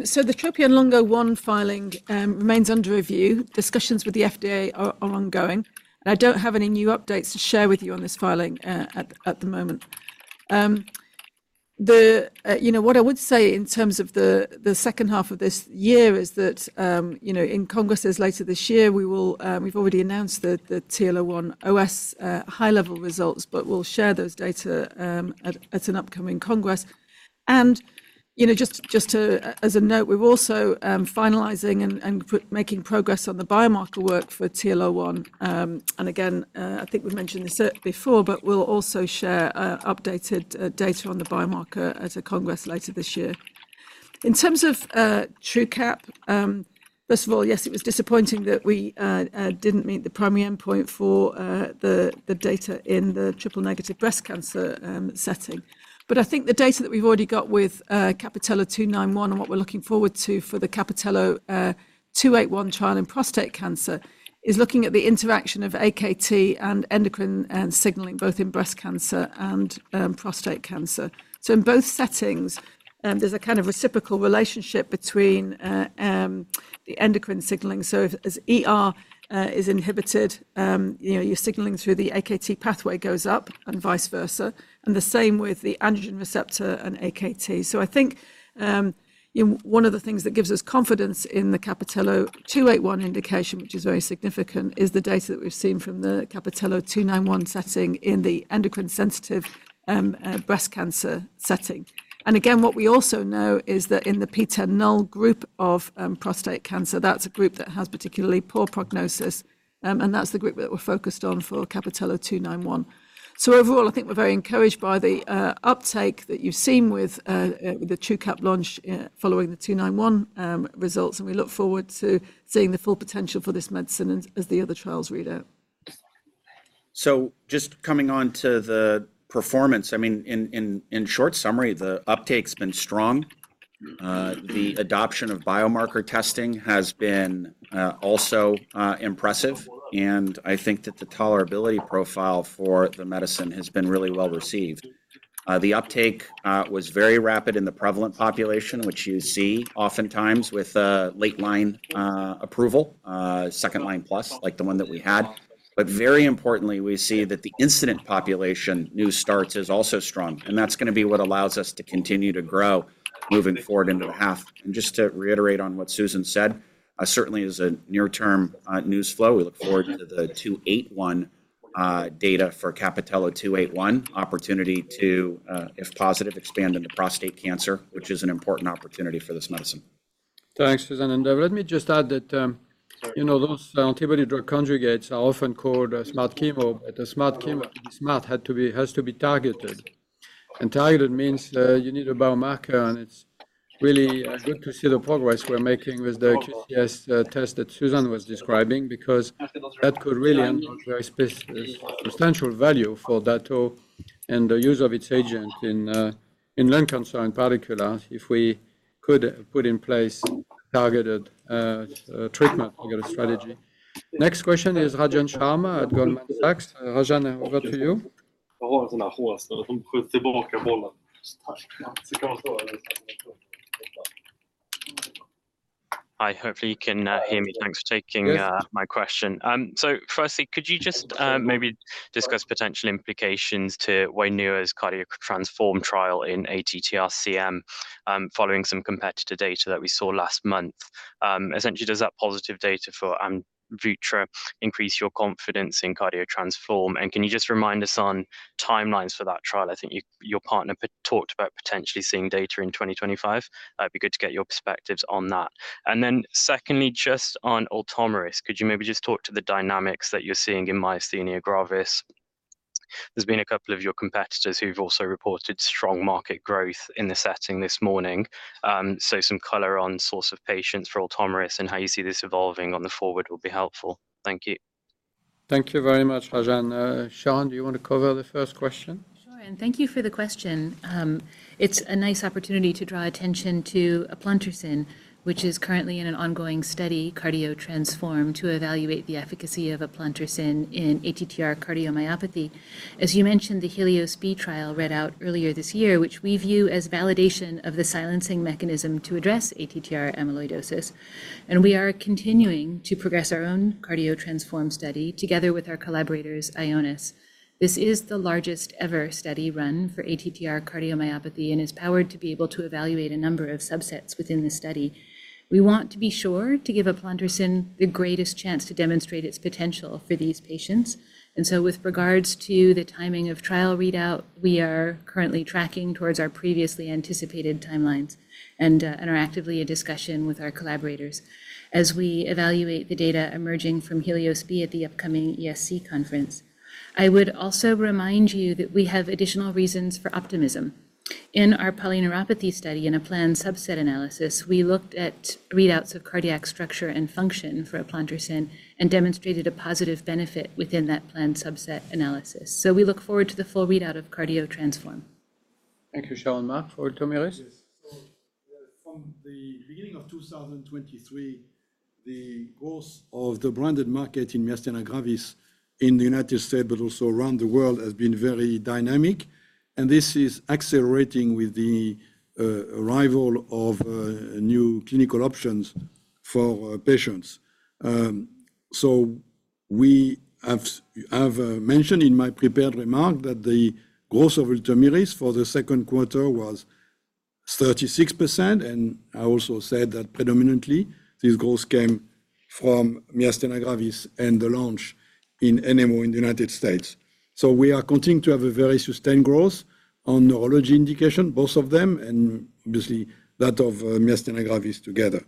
So the TROPION-Lung01 filing remains under review. Discussions with the FDA are ongoing, and I don't have any new updates to share with you on this filing at the moment. You know, what I would say in terms of the second half of this year is that, you know, in congresses later this year, we will... we've already announced the TLO-1 OS high-level results, but we'll share those data at an upcoming congress. And, you know, just to as a note, we're also finalizing and making progress on the biomarker work for TLO-1. And again, I think we've mentioned this before, but we'll also share updated data on the biomarker at a congress later this year. In terms of Truqap, first of all, yes, it was disappointing that we didn't meet the primary endpoint for the data in the triple-negative breast cancer setting. But I think the data that we've already got with CAPItello-291 and what we're looking forward to for the CAPItello-281 trial in prostate cancer is looking at the interaction of AKT and endocrine and signaling both in breast cancer and prostate cancer. So in both settings, there's a kind of reciprocal relationship between the endocrine signaling. So as ER is inhibited, you know, your signaling through the AKT pathway goes up and vice versa, and the same with the androgen receptor and AKT. So I think, one of the things that gives us confidence in the CAPITELLO-281 indication, which is very significant, is the data that we've seen from the CAPITELLO-291 setting in the endocrine-sensitive, breast cancer setting. And again, what we also know is that in the PTEN null group of, prostate cancer, that's a group that has particularly poor prognosis, and that's the group that we're focused on for CAPITELLO-291. So overall, I think we're very encouraged by the, uptake that you've seen with, the Truqap launch, following the 291, results, and we look forward to seeing the full potential for this medicine as, as the other trials read out.... So just coming on to the performance, I mean, in short summary, the uptake's been strong. The adoption of biomarker testing has been also impressive, and I think that the tolerability profile for the medicine has been really well received. The uptake was very rapid in the prevalent population, which you see oftentimes with late line approval, second line plus, like the one that we had. But very importantly, we see that the incident population new starts is also strong, and that's gonna be what allows us to continue to grow moving forward into the half. Just to reiterate on what Susan said, certainly as a near-term news flow, we look forward to the 281 data for CAPItello-281, opportunity to, if positive, expand into prostate cancer, which is an important opportunity for this medicine. Thanks, Susan, and let me just add that, you know, those antibody drug conjugates are often called smart chemo. But a smart chemo has to be targeted. And targeted means you need a biomarker, and it's really good to see the progress we're making with the QCS test that Susan was describing, because that could really unlock very substantial value for Dato and the use of its agent in lung cancer in particular, if we could put in place targeted treatment, targeted strategy. Next question is Rajan Sharma at Goldman Sachs. Rajan, over to you. Hi, hopefully you can hear me. Thanks for taking my question. Yes. So firstly, could you just maybe discuss potential implications to Wainua's CardioTransform trial in ATTR-CM, following some competitor data that we saw last month? Essentially, does that positive data for Amvuttra increase your confidence in CardioTransform? And can you just remind us on timelines for that trial? I think you, your partner talked about potentially seeing data in 2025. That'd be good to get your perspectives on that. And then secondly, just on Ultomiris, could you maybe just talk to the dynamics that you're seeing in myasthenia gravis? There's been a couple of your competitors who've also reported strong market growth in the setting this morning. So some color on source of patients for Ultomiris and how you see this evolving going forward will be helpful. Thank you. Thank you very much, Rajan. Sharon, do you want to cover the first question? Sure, and thank you for the question. It's a nice opportunity to draw attention to eplontersen, which is currently in an ongoing study, CardioTransform, to evaluate the efficacy of eplontersen in ATTR cardiomyopathy. As you mentioned, the Helios-B trial read out earlier this year, which we view as validation of the silencing mechanism to address ATTR amyloidosis. And we are continuing to progress our own CardioTransform study together with our collaborators, Ionis. This is the largest ever study run for ATTR cardiomyopathy and is powered to be able to evaluate a number of subsets within the study. We want to be sure to give eplontersen the greatest chance to demonstrate its potential for these patients. With regards to the timing of trial readout, we are currently tracking towards our previously anticipated timelines and are actively in discussion with our collaborators as we evaluate the data emerging from Helios-B at the upcoming ESC conference. I would also remind you that we have additional reasons for optimism. In our polyneuropathy study, in a planned subset analysis, we looked at readouts of cardiac structure and function for eplontersen and demonstrated a positive benefit within that planned subset analysis. We look forward to the full readout of CardioTransform. Thank you, Sharon. Marc, for Ultomiris? Yes. So from the beginning of 2023, the growth of the branded market in myasthenia gravis in the United States, but also around the world, has been very dynamic, and this is accelerating with the arrival of new clinical options for patients. So we have, I've mentioned in my prepared remark that the growth of Ultomiris for the second quarter was 36%, and I also said that predominantly, this growth came from myasthenia gravis and the launch in NMO in the United States. So we are continuing to have a very sustained growth on neurology indication, both of them, and obviously that of myasthenia gravis together.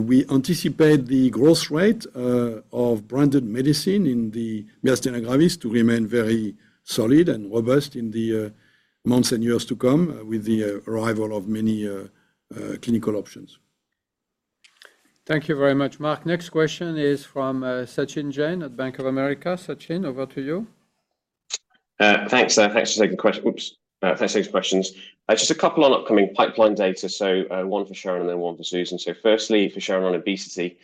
We anticipate the growth rate of branded medicine in the myasthenia gravis to remain very solid and robust in the months and years to come with the arrival of many clinical options. Thank you very much, Marc. Next question is from Sachin Jain at Bank of America. Sachin, over to you. Thanks for taking questions. Just a couple on upcoming pipeline data. So, one for Sharon and then one for Susan. So firstly, for Sharon on obesity,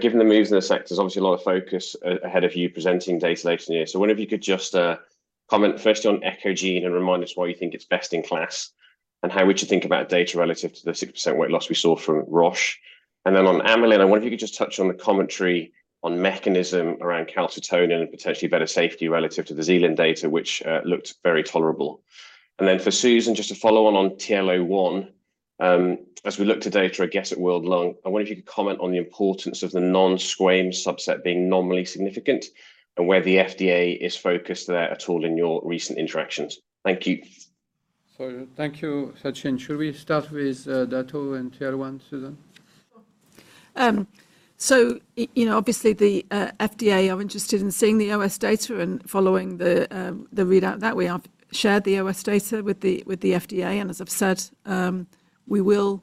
given the moves in the sectors, obviously a lot of focus ahead of you presenting data later in the year. So wonder if you could just comment first on Eccogene and remind us why you think it's best in class, and how would you think about data relative to the 6% weight loss we saw from Roche? And then on amylin, I wonder if you could just touch on the commentary on mechanism around calcitonin and potentially better safety relative to the Zealand data, which looked very tolerable. Then for Susan, just to follow on TL01, as we look to data, I guess, at World Lung, I wonder if you could comment on the importance of the non-squamous subset being nominally significant and where the FDA is focused there at all in your recent interactions. Thank you. Thank you, Sachin. Should we start with Dato and TL1, Susan? So you know, obviously, the FDA are interested in seeing the OS data and following the readout. That we have shared the OS data with the FDA, and as I've said, we will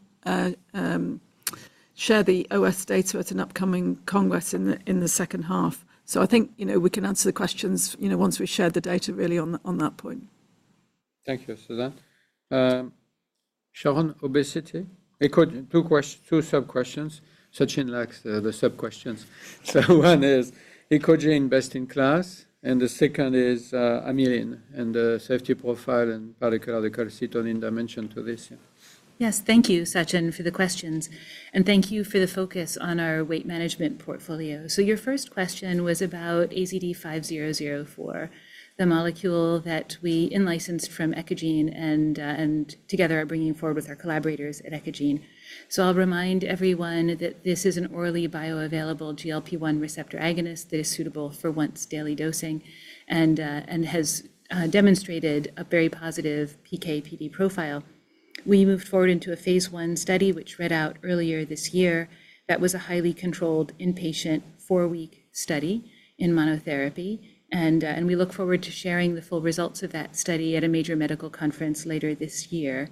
share the OS data at an upcoming congress in the second half. So I think, you know, we can answer the questions, you know, once we've shared the data really on that point. Thank you, Susan. Sharon, obesity? Eccogene, two sub-questions. Sachin likes the sub-questions. So one is Eccogene best-in-class, and the second is amylin and the safety profile and in particular the calcitonin dimension to this, yeah. Yes. Thank you, Sachin, for the questions, and thank you for the focus on our weight management portfolio. Your first question was about AZD5004, the molecule that we in-licensed from Eccogene and together are bringing forward with our collaborators at Eccogene. I'll remind everyone that this is an orally bioavailable GLP-1 receptor agonist that is suitable for once-daily dosing and has demonstrated a very positive PK/PD profile. We moved forward into a phase I study, which read out earlier this year. That was a highly controlled inpatient four-week study in monotherapy, and we look forward to sharing the full results of that study at a major medical conference later this year.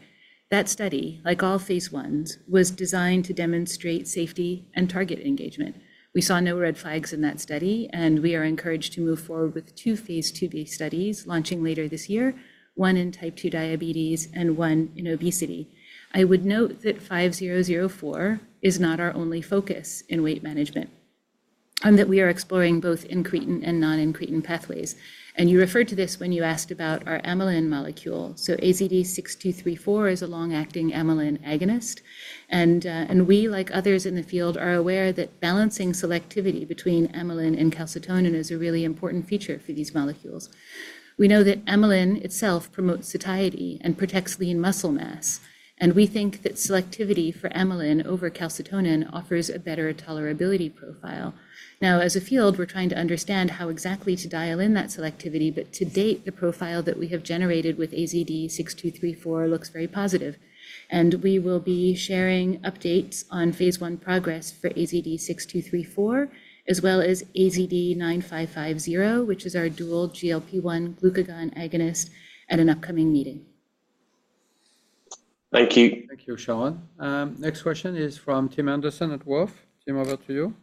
That study, like all phase Is, was designed to demonstrate safety and target engagement. We saw no red flags in that study, and we are encouraged to move forward with two phase IIb studies launching later this year, one in Type 2 diabetes and one in obesity. I would note that AZD5004 is not our only focus in weight management, and that we are exploring both incretin and non-incretin pathways. You referred to this when you asked about our amylin molecule. AZD6234 is a long-acting amylin agonist, and we, like others in the field, are aware that balancing selectivity between amylin and calcitonin is a really important feature for these molecules. We know that amylin itself promotes satiety and protects lean muscle mass, and we think that selectivity for amylin over calcitonin offers a better tolerability profile. Now, as a field, we're trying to understand how exactly to dial in that selectivity, but to date, the profile that we have generated with AZD6234 looks very positive. And we will be sharing updates on phase I progress for AZD6234, as well as AZD9550, which is our dual GLP-1 glucagon agonist, at an upcoming meeting. Thank you. Thank you, Sharon. Next question is from Tim Anderson at Wolfe. Tim, over to you.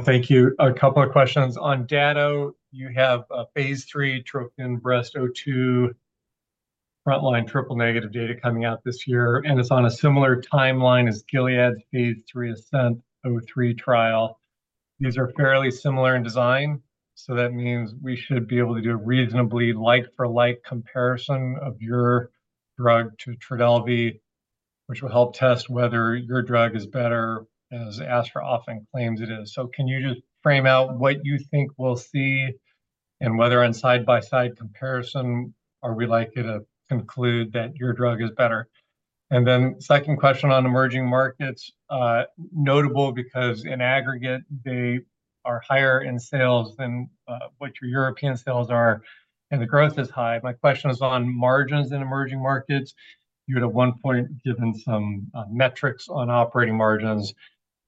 Thank you. A couple of questions. On Dato-DXd, you have a phase III TROPION-Breast02 frontline triple-negative data coming out this year, and it's on a similar timeline as Gilead's phase III ASCENT-03 trial. These are fairly similar in design, so that means we should be able to do a reasonably like for like comparison of your drug to Trodelvy, which will help test whether your drug is better, as Astra often claims it is. So can you just frame out what you think we'll see, and whether in side-by-side comparison, are we likely to conclude that your drug is better? And then second question on emerging markets, notable because in aggregate, they are higher in sales than what your European sales are, and the growth is high. My question is on margins in emerging markets. You had at one point given some metrics on operating margins.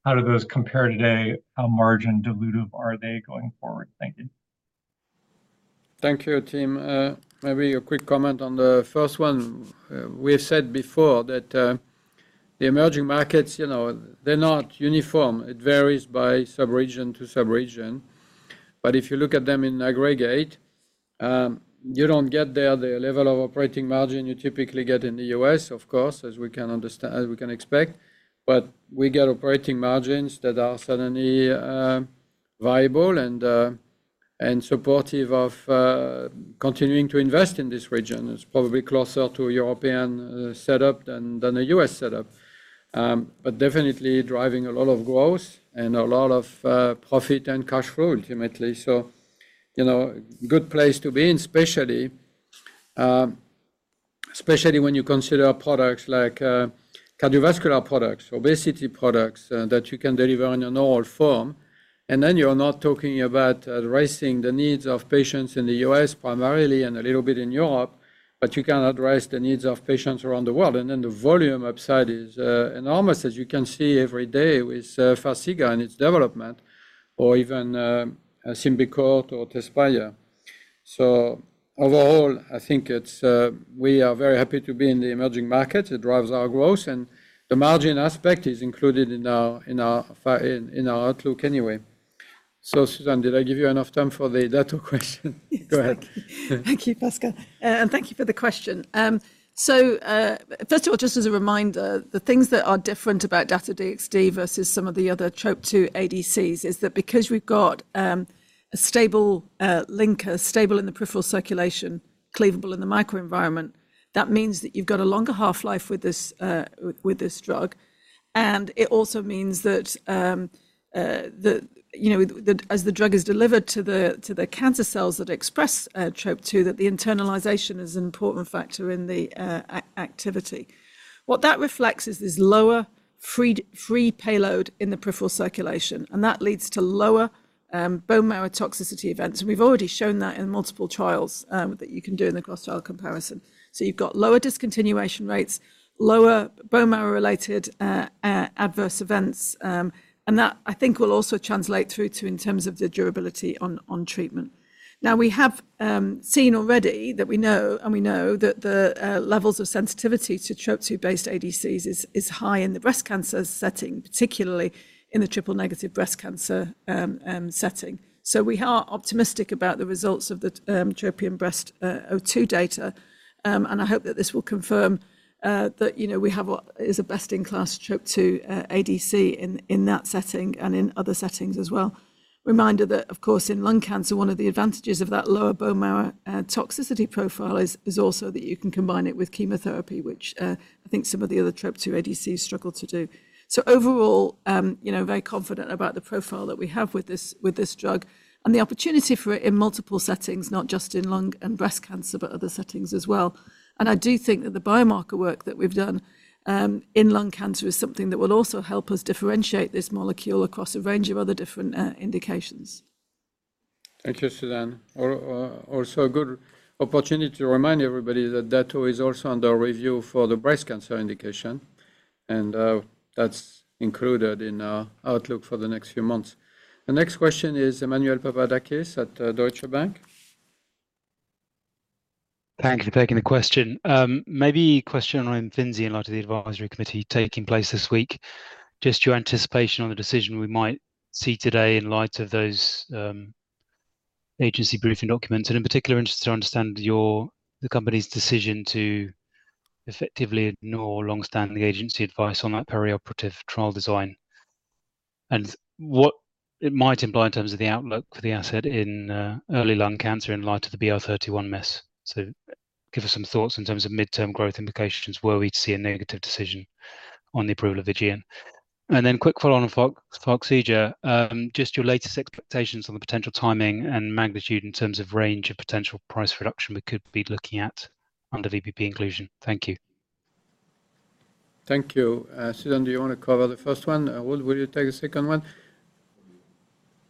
How do those compare today? How margin dilutive are they going forward? Thank you. Thank you, Tim. Maybe a quick comment on the first one. We've said before that the emerging markets, you know, they're not uniform. It varies by subregion to subregion. But if you look at them in aggregate, you don't get there the level of operating margin you typically get in the U.S., of course, as we can understand - as we can expect. But we get operating margins that are certainly viable and supportive of continuing to invest in this region. It's probably closer to a European setup than a U.S. setup. But definitely driving a lot of growth and a lot of profit and cash flow ultimately. So, you know, good place to be, and especially, especially when you consider products like cardiovascular products, obesity products that you can deliver in an oral form. And then you're not talking about addressing the needs of patients in the U.S. primarily, and a little bit in Europe, but you can address the needs of patients around the world. And then the volume upside is enormous, as you can see every day with Farxiga and its development, or even Symbicort or Tezspire. So overall, I think it's we are very happy to be in the emerging market. It drives our growth, and the margin aspect is included in our outlook anyway. So Susan, did I give you enough time for the Dato question? Go ahead. Thank you, Pascal, and thank you for the question. So, first of all, just as a reminder, the things that are different about Dato-DXd versus some of the other Trop-2 ADCs is that because we've got a stable linker, stable in the peripheral circulation, cleavable in the microenvironment, that means that you've got a longer half-life with this drug. And it also means that you know, that as the drug is delivered to the cancer cells that express Trop-2, that the internalization is an important factor in the activity. What that reflects is this lower free payload in the peripheral circulation, and that leads to lower bone marrow toxicity events. And we've already shown that in multiple trials that you can do in the cross-trial comparison. So you've got lower discontinuation rates, lower bone marrow-related adverse events, and that I think will also translate through to in terms of the durability on treatment. Now, we have seen already that we know, and we know that the levels of sensitivity to Trop-2-based ADCs is high in the breast cancer setting, particularly in the triple-negative breast cancer setting. So we are optimistic about the results of the TROPION-Breast02 data, and I hope that this will confirm that, you know, we have what is a best-in-class Trop-2 ADC in that setting and in other settings as well. Reminder that, of course, in lung cancer, one of the advantages of that lower bone marrow toxicity profile is also that you can combine it with chemotherapy, which I think some of the other Trop-2 ADCs struggle to do. So overall, you know, very confident about the profile that we have with this drug and the opportunity for it in multiple settings, not just in lung and breast cancer, but other settings as well. And I do think that the biomarker work that we've done in lung cancer is something that will also help us differentiate this molecule across a range of other different indications. Thank you, Susan. Also a good opportunity to remind everybody that Dato is also under review for the breast cancer indication, and that's included in our outlook for the next few months. The next question is Emmanuel Papadakis at Deutsche Bank. Thank you for taking the question. Maybe a question on Imfinzi in light of the advisory committee taking place this week. Just your anticipation on the decision we might see today in light of those, agency briefing documents, and in particular, interested to understand your, the company's decision to effectively ignore longstanding agency advice on that perioperative trial design and what it might imply in terms of the outlook for the asset in, early lung cancer in light of the BR.31 mess. So give us some thoughts in terms of midterm growth implications, were we to see a negative decision on the approval of AEGEAN? And then quick follow on for Forxiga, just your latest expectations on the potential timing and magnitude in terms of range of potential price reduction we could be looking at under VBP inclusion. Thank you. Thank you. Susan, do you wanna cover the first one? Ruud, will you take the second one?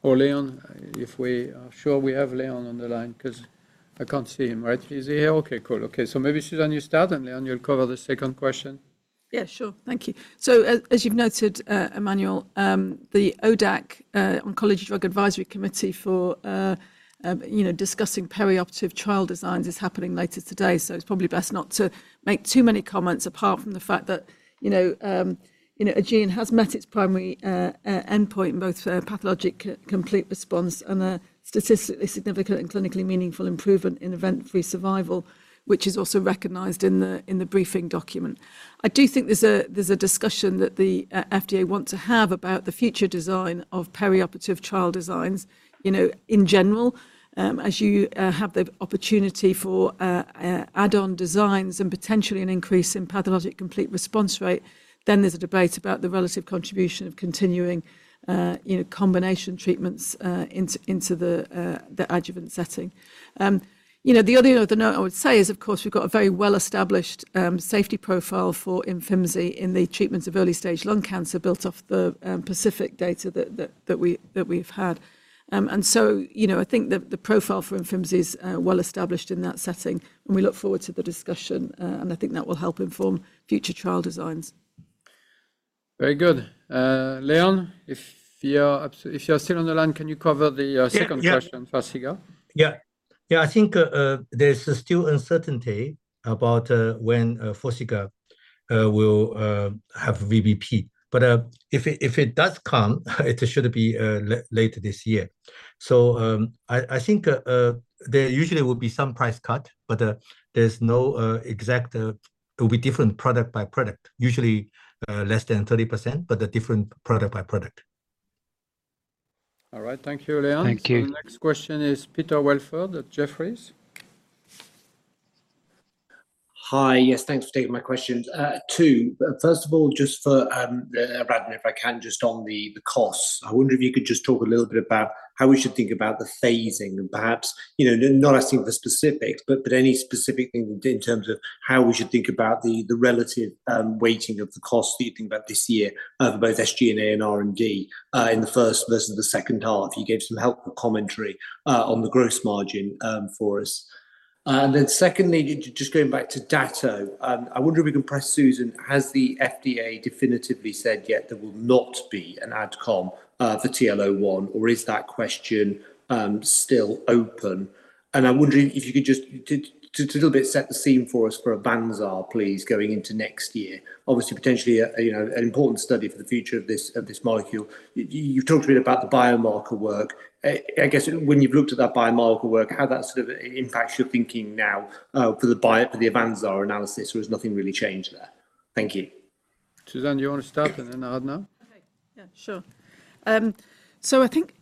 Or Leon, if we are sure we have Leon on the line, 'cause I can't see him. Right. Is he here? Okay, cool. Okay, so maybe, Susan, you start, and Leon, you'll cover the second question. Yeah, sure. Thank you. So as you've noted, Emmanuel, the ODAC, Oncology Drug Advisory Committee for, you know, discussing perioperative trial designs is happening later today. So it's probably best not to make too many comments, apart from the fact that, you know, AEGEAN has met its primary endpoint, both for pathologic complete response and a statistically significant and clinically meaningful improvement in event-free survival, which is also recognized in the briefing document. I do think there's a discussion that the FDA want to have about the future design of perioperative trial designs. You know, in general, as you have the opportunity for add-on designs and potentially an increase in pathologic complete response rate, then there's a debate about the relative contribution of continuing, you know, combination treatments into the adjuvant setting. You know, the other note I would say is, of course, we've got a very well-established safety profile for Imfinzi in the treatments of early-stage lung cancer, built off the PACIFIC data that we've had. And so, you know, I think the profile for Imfinzi is well established in that setting, and we look forward to the discussion, and I think that will help inform future trial designs. Very good. Leon, if you are still on the line, can you cover the, second- Yeah, yeah - Question for Forxiga? Yeah. Yeah, I think, there's still uncertainty about when Forxiga will have VBP. But, if it does come, it should be later this year. So, I think, there usually will be some price cut, but there's no exact... It will be different product by product. Usually, less than 30%, but different product by product. All right. Thank you, Leon. Thank you. Next question is Peter Welford at Jefferies. Hi. Yes, thanks for taking my questions. Two, first of all, just for Aradhana, if I can, just on the costs. I wonder if you could just talk a little bit about how we should think about the phasing and perhaps, you know, not asking for the specifics, but any specific things in terms of how we should think about the relative weighting of the costs that you think about this year, both SG&A and R&D, in the first versus the second half. You gave some helpful commentary on the gross margin for us. And then secondly, just going back to Dato, I wonder if we can press Susan. Has the FDA definitively said yet there will not be an AdCom for TL01, or is that question still open? I wonder if you could just to a little bit set the scene for us for AVANZAR, please, going into next year. Obviously, potentially, you know, an important study for the future of this, of this molecule. You've talked a bit about the biomarker work. I guess when you've looked at that biomarker work, how that sort of impacts your thinking now, for the AVANZAR analysis, or has nothing really changed there? Thank you. Susan, do you want to start, and then Aradhana? Okay. Yeah, sure. So I think,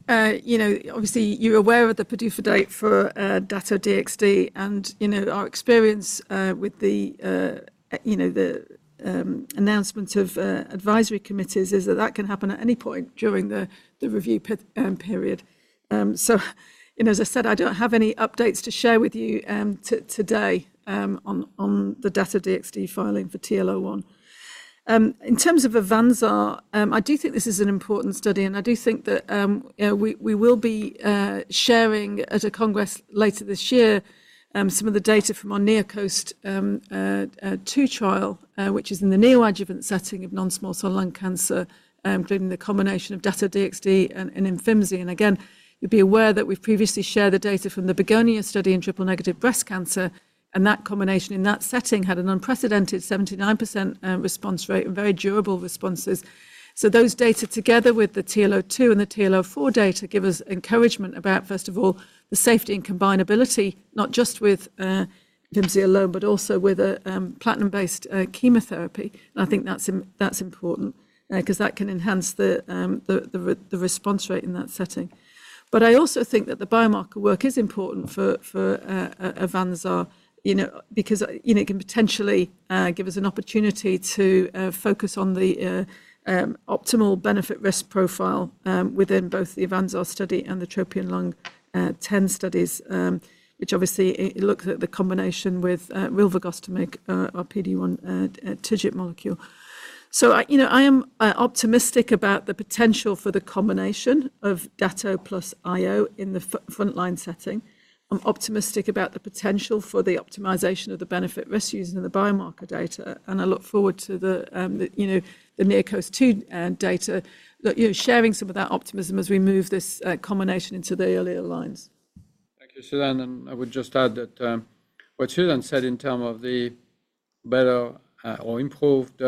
you know, obviously, you're aware of the PDUFA date for Dato-DXd, and, you know, our experience with the announcement of advisory committees is that that can happen at any point during the review period. So, and as I said, I don't have any updates to share with you, today, on the Dato-DXd filing for TL01.... In terms of AVANZAR, I do think this is an important study, and I do think that, you know, we will be sharing at a congress later this year, some of the data from our NeoCOAST-2 trial, which is in the neoadjuvant setting of non-small cell lung cancer, including the combination of Dato-DXd and Imfinzi. And again, you'd be aware that we've previously shared the data from the BEGONIA study in triple-negative breast cancer, and that combination in that setting had an unprecedented 79% response rate and very durable responses. So those data, together with the TL02 and the TL04 data, give us encouragement about, first of all, the safety and combinability, not just with Imfinzi alone, but also with a platinum-based chemotherapy. And I think that's important, 'cause that can enhance the response rate in that setting. But I also think that the biomarker work is important for AVANZAR, you know, because, you know, it can potentially give us an opportunity to focus on the optimal benefit-risk profile within both the AVANZAR study and the TROPION-Lung10 studies, which obviously it looks at the combination with rilvegostimig, our PD-1 TIGIT molecule. So I, you know, I am optimistic about the potential for the combination of Dato plus IO in the frontline setting. I'm optimistic about the potential for the optimization of the benefit-risk using the biomarker data, and I look forward to the, you know, the NeoCOAST-2 data, that you know sharing some of that optimism as we move this combination into the earlier lines. Thank you, Susan. I would just add that what Susan said in terms of the better or improved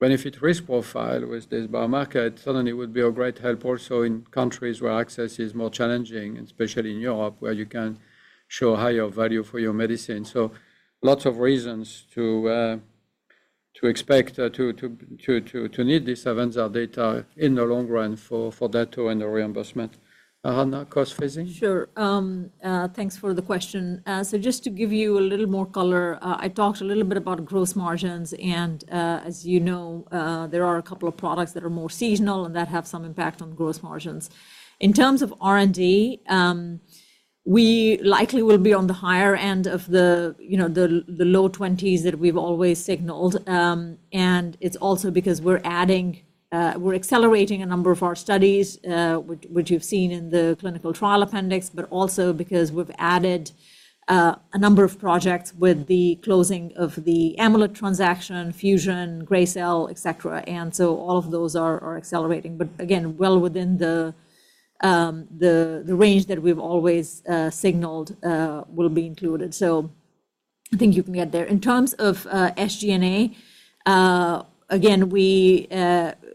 benefit-risk profile with this biomarker certainly would be a great help also in countries where access is more challenging, especially in Europe, where you can show higher value for your medicine. So lots of reasons to expect to need this AVANZAR data in the long run for Dato and the reimbursement. Aradhana, gross phasing? Sure. Thanks for the question. So just to give you a little more color, I talked a little bit about gross margins, and, as you know, there are a couple of products that are more seasonal and that have some impact on gross margins. In terms of R&D, we likely will be on the higher end of the, you know, the low twenties that we've always signaled. And it's also because we're adding... we're accelerating a number of our studies, which you've seen in the clinical trial appendix, but also because we've added a number of projects with the closing of the Amolyt transaction, Fusion, Gracell, et cetera. And so all of those are accelerating, but again, well within the range that we've always signaled will be included. So I think you can get there. In terms of SG&A, again, we you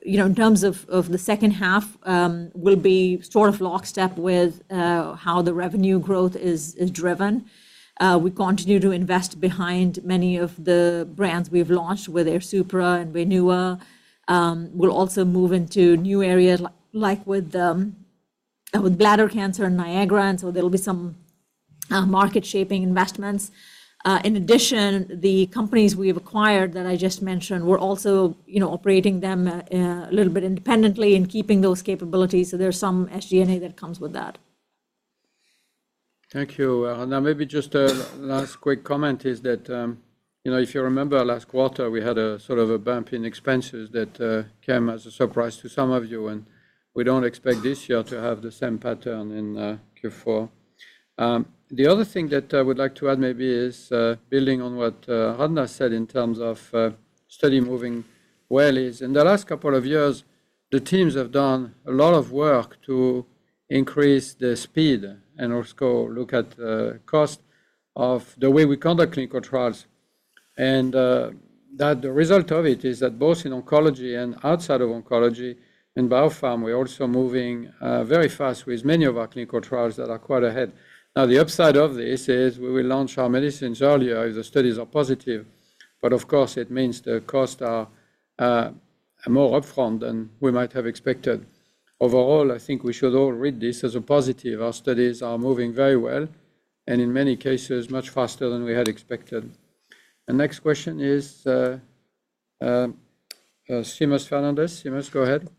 know, in terms of the second half, we'll be sort of lockstep with how the revenue growth is driven. We continue to invest behind many of the brands we've launched with Airsupra and Wainua. We'll also move into new areas, like with bladder cancer and NIAGARA, and so there'll be some market-shaping investments. In addition, the companies we've acquired that I just mentioned, we're also you know, operating them a little bit independently and keeping those capabilities, so there's some SG&A that comes with that. Thank you. Now maybe just a last quick comment is that, you know, if you remember last quarter, we had a sort of a bump in expenses that came as a surprise to some of you, and we don't expect this year to have the same pattern in Q4. The other thing that I would like to add maybe is, building on what Aradhana said in terms of study moving well is, in the last couple of years, the teams have done a lot of work to increase the speed and also look at cost of the way we conduct clinical trials. And that the result of it is that both in oncology and outside of oncology, in biopharm, we're also moving very fast with many of our clinical trials that are quite ahead. Now, the upside of this is we will launch our medicines earlier if the studies are positive, but of course, it means the costs are more upfront than we might have expected. Overall, I think we should all read this as a positive. Our studies are moving very well, and in many cases, much faster than we had expected. The next question is Seamus Fernandez. Seamus, go ahead.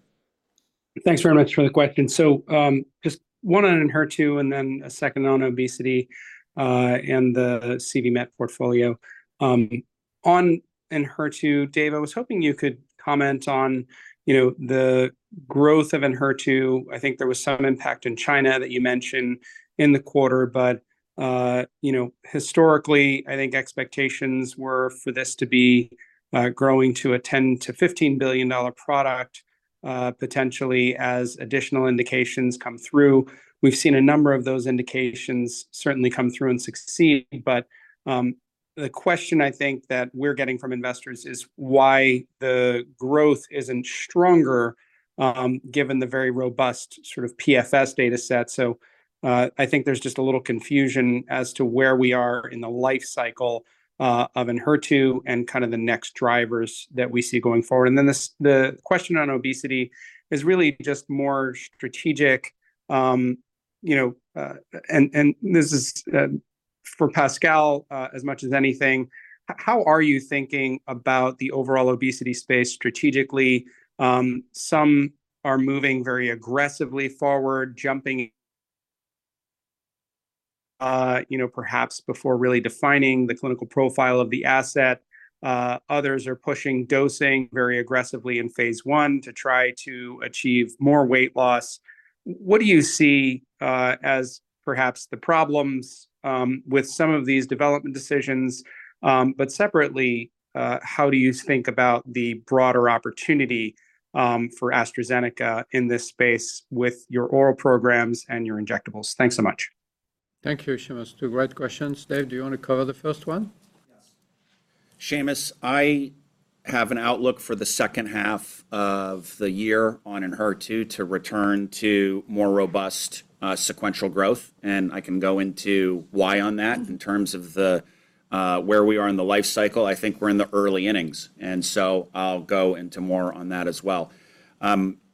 Thanks very much for the question. Just one on Enhertu, and then a second on obesity, and the CVRM portfolio. On Enhertu, Dave, I was hoping you could comment on, you know, the growth of Enhertu. I think there was some impact in China that you mentioned in the quarter, but, you know, historically, I think expectations were for this to be, growing to a $10 billion-$15 billion product, potentially, as additional indications come through. We've seen a number of those indications certainly come through and succeed, but, the question I think that we're getting from investors is why the growth isn't stronger, given the very robust sort of PFS data set. So, I think there's just a little confusion as to where we are in the life cycle of Enhertu and kind of the next drivers that we see going forward. And then the question on obesity is really just more strategic. You know, and this is for Pascal, as much as anything. How are you thinking about the overall obesity space strategically? Some are moving very aggressively forward, jumping-... you know, perhaps before really defining the clinical profile of the asset. Others are pushing dosing very aggressively in phase one to try to achieve more weight loss. What do you see as perhaps the problems with some of these development decisions? But separately, how do you think about the broader opportunity for AstraZeneca in this space with your oral programs and your injectables? Thanks so much. Thank you, Seamus. Two great questions. Dave, do you want to cover the first one? Yes. Seamus, I have an outlook for the second half of the year on Enhertu and HER2 to return to more robust sequential growth, and I can go into why on that. In terms of the where we are in the life cycle, I think we're in the early innings, and so I'll go into more on that as well.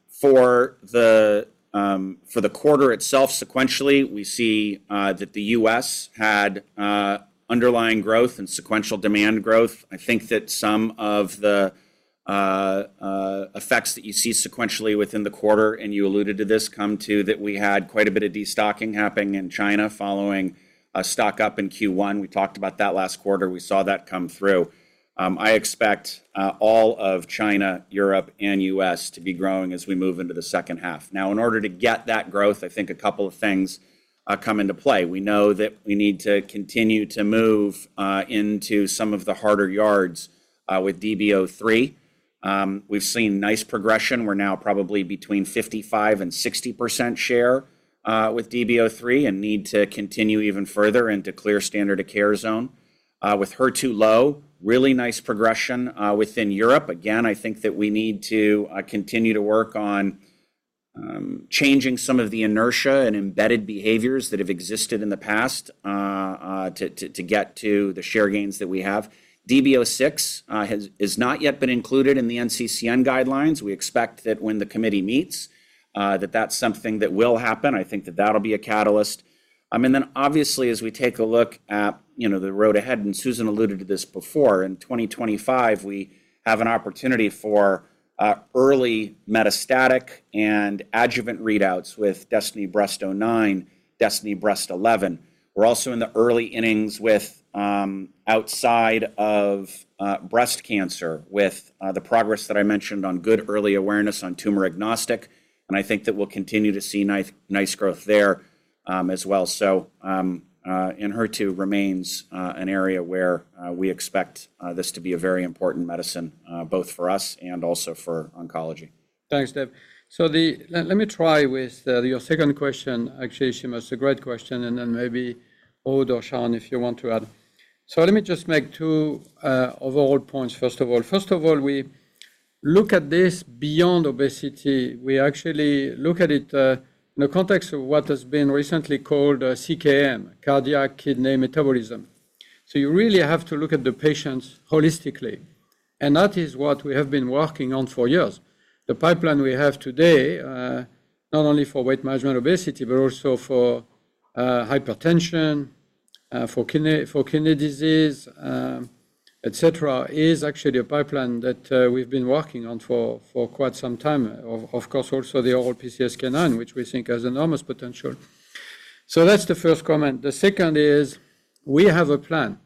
For the quarter itself, sequentially, we see that the US had underlying growth and sequential demand growth. I think that some of the effects that you see sequentially within the quarter, and you alluded to this, come to that we had quite a bit of destocking happening in China following a stock-up in Q1. We talked about that last quarter. We saw that come through. I expect all of China, Europe, and US to be growing as we move into the second half. Now, in order to get that growth, I think a couple of things come into play. We know that we need to continue to move into some of the harder yards with DB-03. We've seen nice progression. We're now probably between 55%-60% share with DB-03 and need to continue even further into clear standard of care zone. With HER2-low, really nice progression within Europe. Again, I think that we need to continue to work on changing some of the inertia and embedded behaviors that have existed in the past to get to the share gains that we have. DB-06 has not yet been included in the NCCN guidelines. We expect that when the committee meets, that that's something that will happen. I think that that'll be a catalyst. I mean, then obviously, as we take a look at, you know, the road ahead, and Susan alluded to this before, in 2025, we have an opportunity for, early metastatic and adjuvant readouts with DESTINY-Breast09, DESTINY-Breast11. We're also in the early innings with, outside of, breast cancer, with, the progress that I mentioned on good early awareness on tumor agnostic, and I think that we'll continue to see nice, nice growth there, as well. So, in HER2 remains, an area where, we expect, this to be a very important medicine, both for us and also for oncology. Thanks, Dave. So let me try with your second question. Actually, Seamus, a great question, and then maybe Aude or Sharon, if you want to add. So let me just make two overall points, first of all. First of all, we look at this beyond obesity. We actually look at it in the context of what has been recently called CKM, cardiac kidney metabolism. So you really have to look at the patients holistically, and that is what we have been working on for years. The pipeline we have today not only for weight management obesity, but also for hypertension for kidney for kidney disease et cetera, is actually a pipeline that we've been working on for quite some time. Of course, also the oral PCSK9, which we think has enormous potential. So that's the first comment. The second is we have a plan.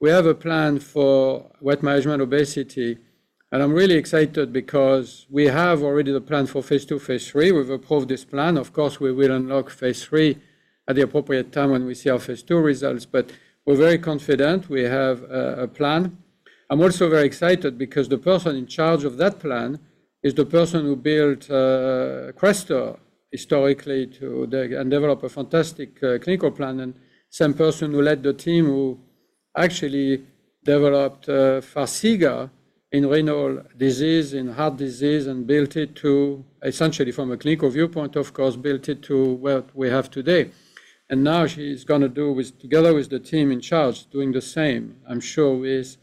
We have a plan for weight management obesity, and I'm really excited because we have already the plan for phase two, phase three. We've approved this plan. Of course, we will unlock phase three at the appropriate time when we see our phase two results, but we're very confident we have a, a plan. I'm also very excited because the person in charge of that plan is the person who built Crestor historically to develop a fantastic clinical plan, and same person who led the team who actually developed Farxiga in renal disease, in heart disease, and built it to, essentially from a clinical viewpoint, of course, built it to what we have today. And now she's gonna do with, together with the team in charge, doing the same, I'm sure, with,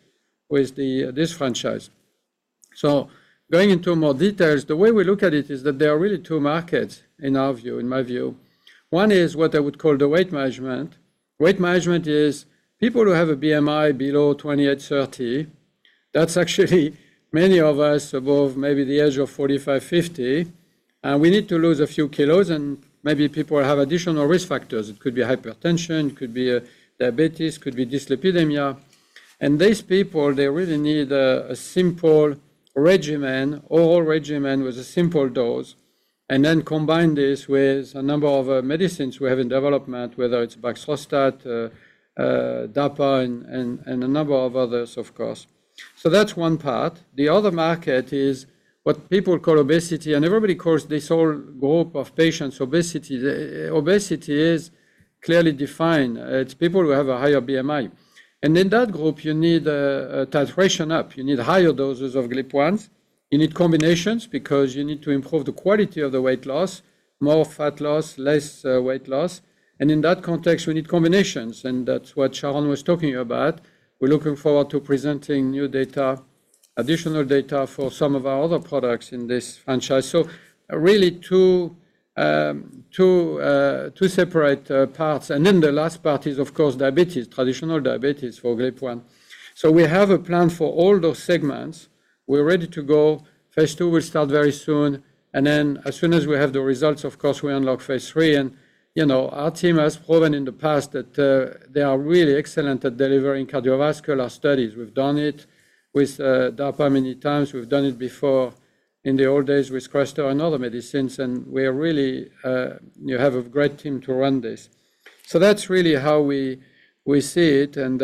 with the this franchise. So going into more details, the way we look at it is that there are really two markets in our view, in my view. One is what I would call the weight management. Weight management is people who have a BMI below 28, 30. That's actually many of us above maybe the age of 45, 50, and we need to lose a few kilos, and maybe people have additional risk factors. It could be hypertension, could be, diabetes, could be dyslipidemia. And these people, they really need a, a simple regimen, oral regimen with a simple dose, and then combine this with a number of, medicines we have in development, whether it's baxdrostat, DAPA, and a number of others, of course. So that's one part. The other market is what people call obesity, and everybody calls this whole group of patients obesity. Obesity is clearly defined. It's people who have a higher BMI. And in that group, you need a titration up. You need higher doses of GLP-1s. You need combinations because you need to improve the quality of the weight loss, more fat loss, less weight loss, and in that context, you need combinations, and that's what Sharon was talking about. We're looking forward to presenting new data, additional data for some of our other products in this franchise. So really two separate parts, and then the last part is, of course, diabetes, traditional diabetes for GLP-1. So we have a plan for all those segments-... We're ready to go. Phase two will start very soon, and then as soon as we have the results, of course, we unlock phase three. You know, our team has proven in the past that they are really excellent at delivering cardiovascular studies. We've done it with DAPA many times. We've done it before in the old days with Crestor and other medicines, and we are really. We have a great team to run this. So that's really how we see it, and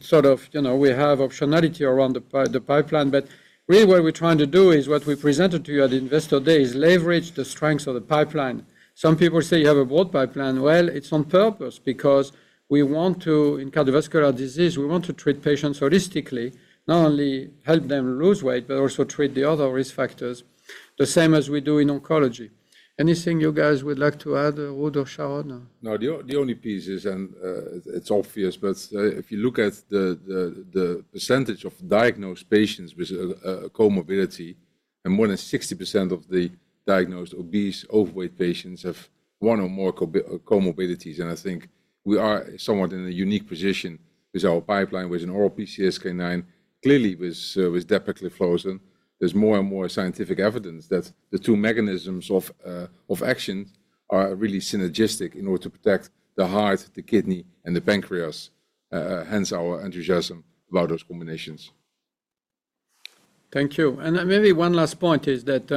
sort of, you know, we have optionality around the pipeline. But really what we're trying to do is what we presented to you at Investor Day, is leverage the strengths of the pipeline. Some people say you have a broad pipeline. Well, it's on purpose because we want to, in cardiovascular disease, we want to treat patients holistically. Not only help them lose weight, but also treat the other risk factors, the same as we do in oncology. Anything you guys would like to add, Ruud or Sharon? No, the only piece is, and, it's obvious, but, if you look at the, the, the percentage of diagnosed patients with, a comorbidity, and more than 60% of the diagnosed obese, overweight patients have one or more comorbidities. And I think we are somewhat in a unique position with our pipeline, with an oral PCSK9, clearly with, with dapagliflozin. There's more and more scientific evidence that the two mechanisms of, of action are really synergistic in order to protect the heart, the kidney, and the pancreas, hence our enthusiasm about those combinations. Thank you. And then maybe one last point is that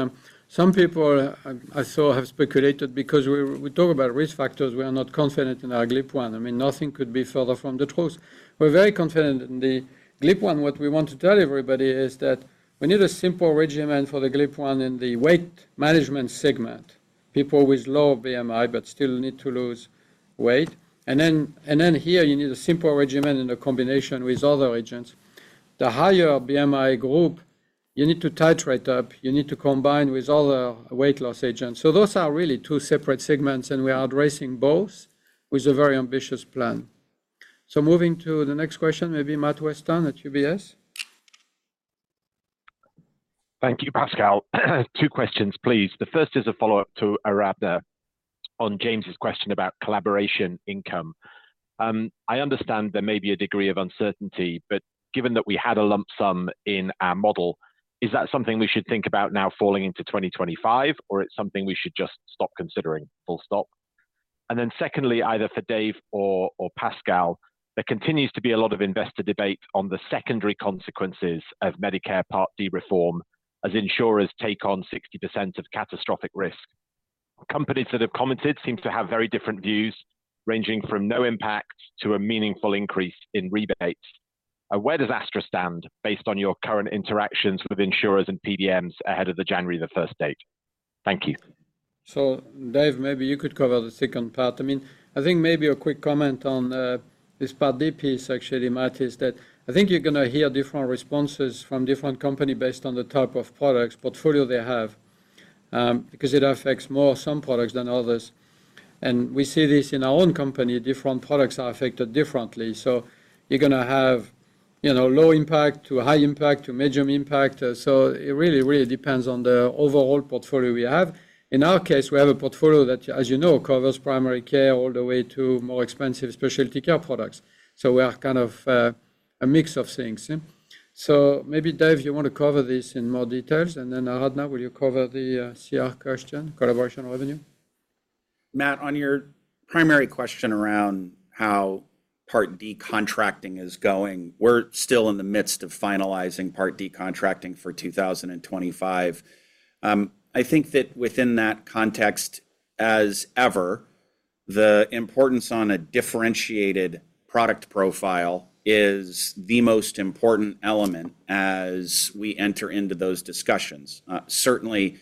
some people, I saw have speculated because we talk about risk factors, we are not confident in our GLP-1. I mean, nothing could be further from the truth. We're very confident in the GLP-1. What we want to tell everybody is that we need a simple regimen for the GLP-1 in the weight management segment, people with low BMI but still need to lose weight. And then here, you need a simple regimen in a combination with other agents. The higher BMI group, you need to titrate up, you need to combine with other weight loss agents. So those are really two separate segments, and we are addressing both with a very ambitious plan. So moving to the next question, maybe Matt Weston at UBS? Thank you, Pascal. Two questions, please. The first is a follow-up to Aradhana on James's question about collaboration income. I understand there may be a degree of uncertainty, but given that we had a lump sum in our model, is that something we should think about now falling into 2025, or it's something we should just stop considering, full stop? And then secondly, either for Dave or, or Pascal, there continues to be a lot of investor debate on the secondary consequences of Medicare Part D reform, as insurers take on 60% of catastrophic risk. Companies that have commented seem to have very different views, ranging from no impact to a meaningful increase in rebates. Where does Astra stand based on your current interactions with insurers and PBMs ahead of the January 1 date? Thank you. So, Dave, maybe you could cover the second part. I mean, I think maybe a quick comment on this Part D piece, actually, Matt, is that I think you're gonna hear different responses from different companies based on the type of products portfolio they have, because it affects more some products than others. And we see this in our own company, different products are affected differently. So you're gonna have, you know, low impact to high impact to medium impact. So it really, really depends on the overall portfolio we have. In our case, we have a portfolio that, as you know, covers primary care all the way to more expensive specialty care products. So we are kind of a mix of things. So maybe, Dave, you want to cover this in more details, and then, Aradhana, will you cover the CR question, collaboration revenue? Matt, on your primary question around how Part D contracting is going, we're still in the midst of finalizing Part D contracting for 2025. I think that within that context, as ever, the importance on a differentiated product profile is the most important element as we enter into those discussions. Certainly,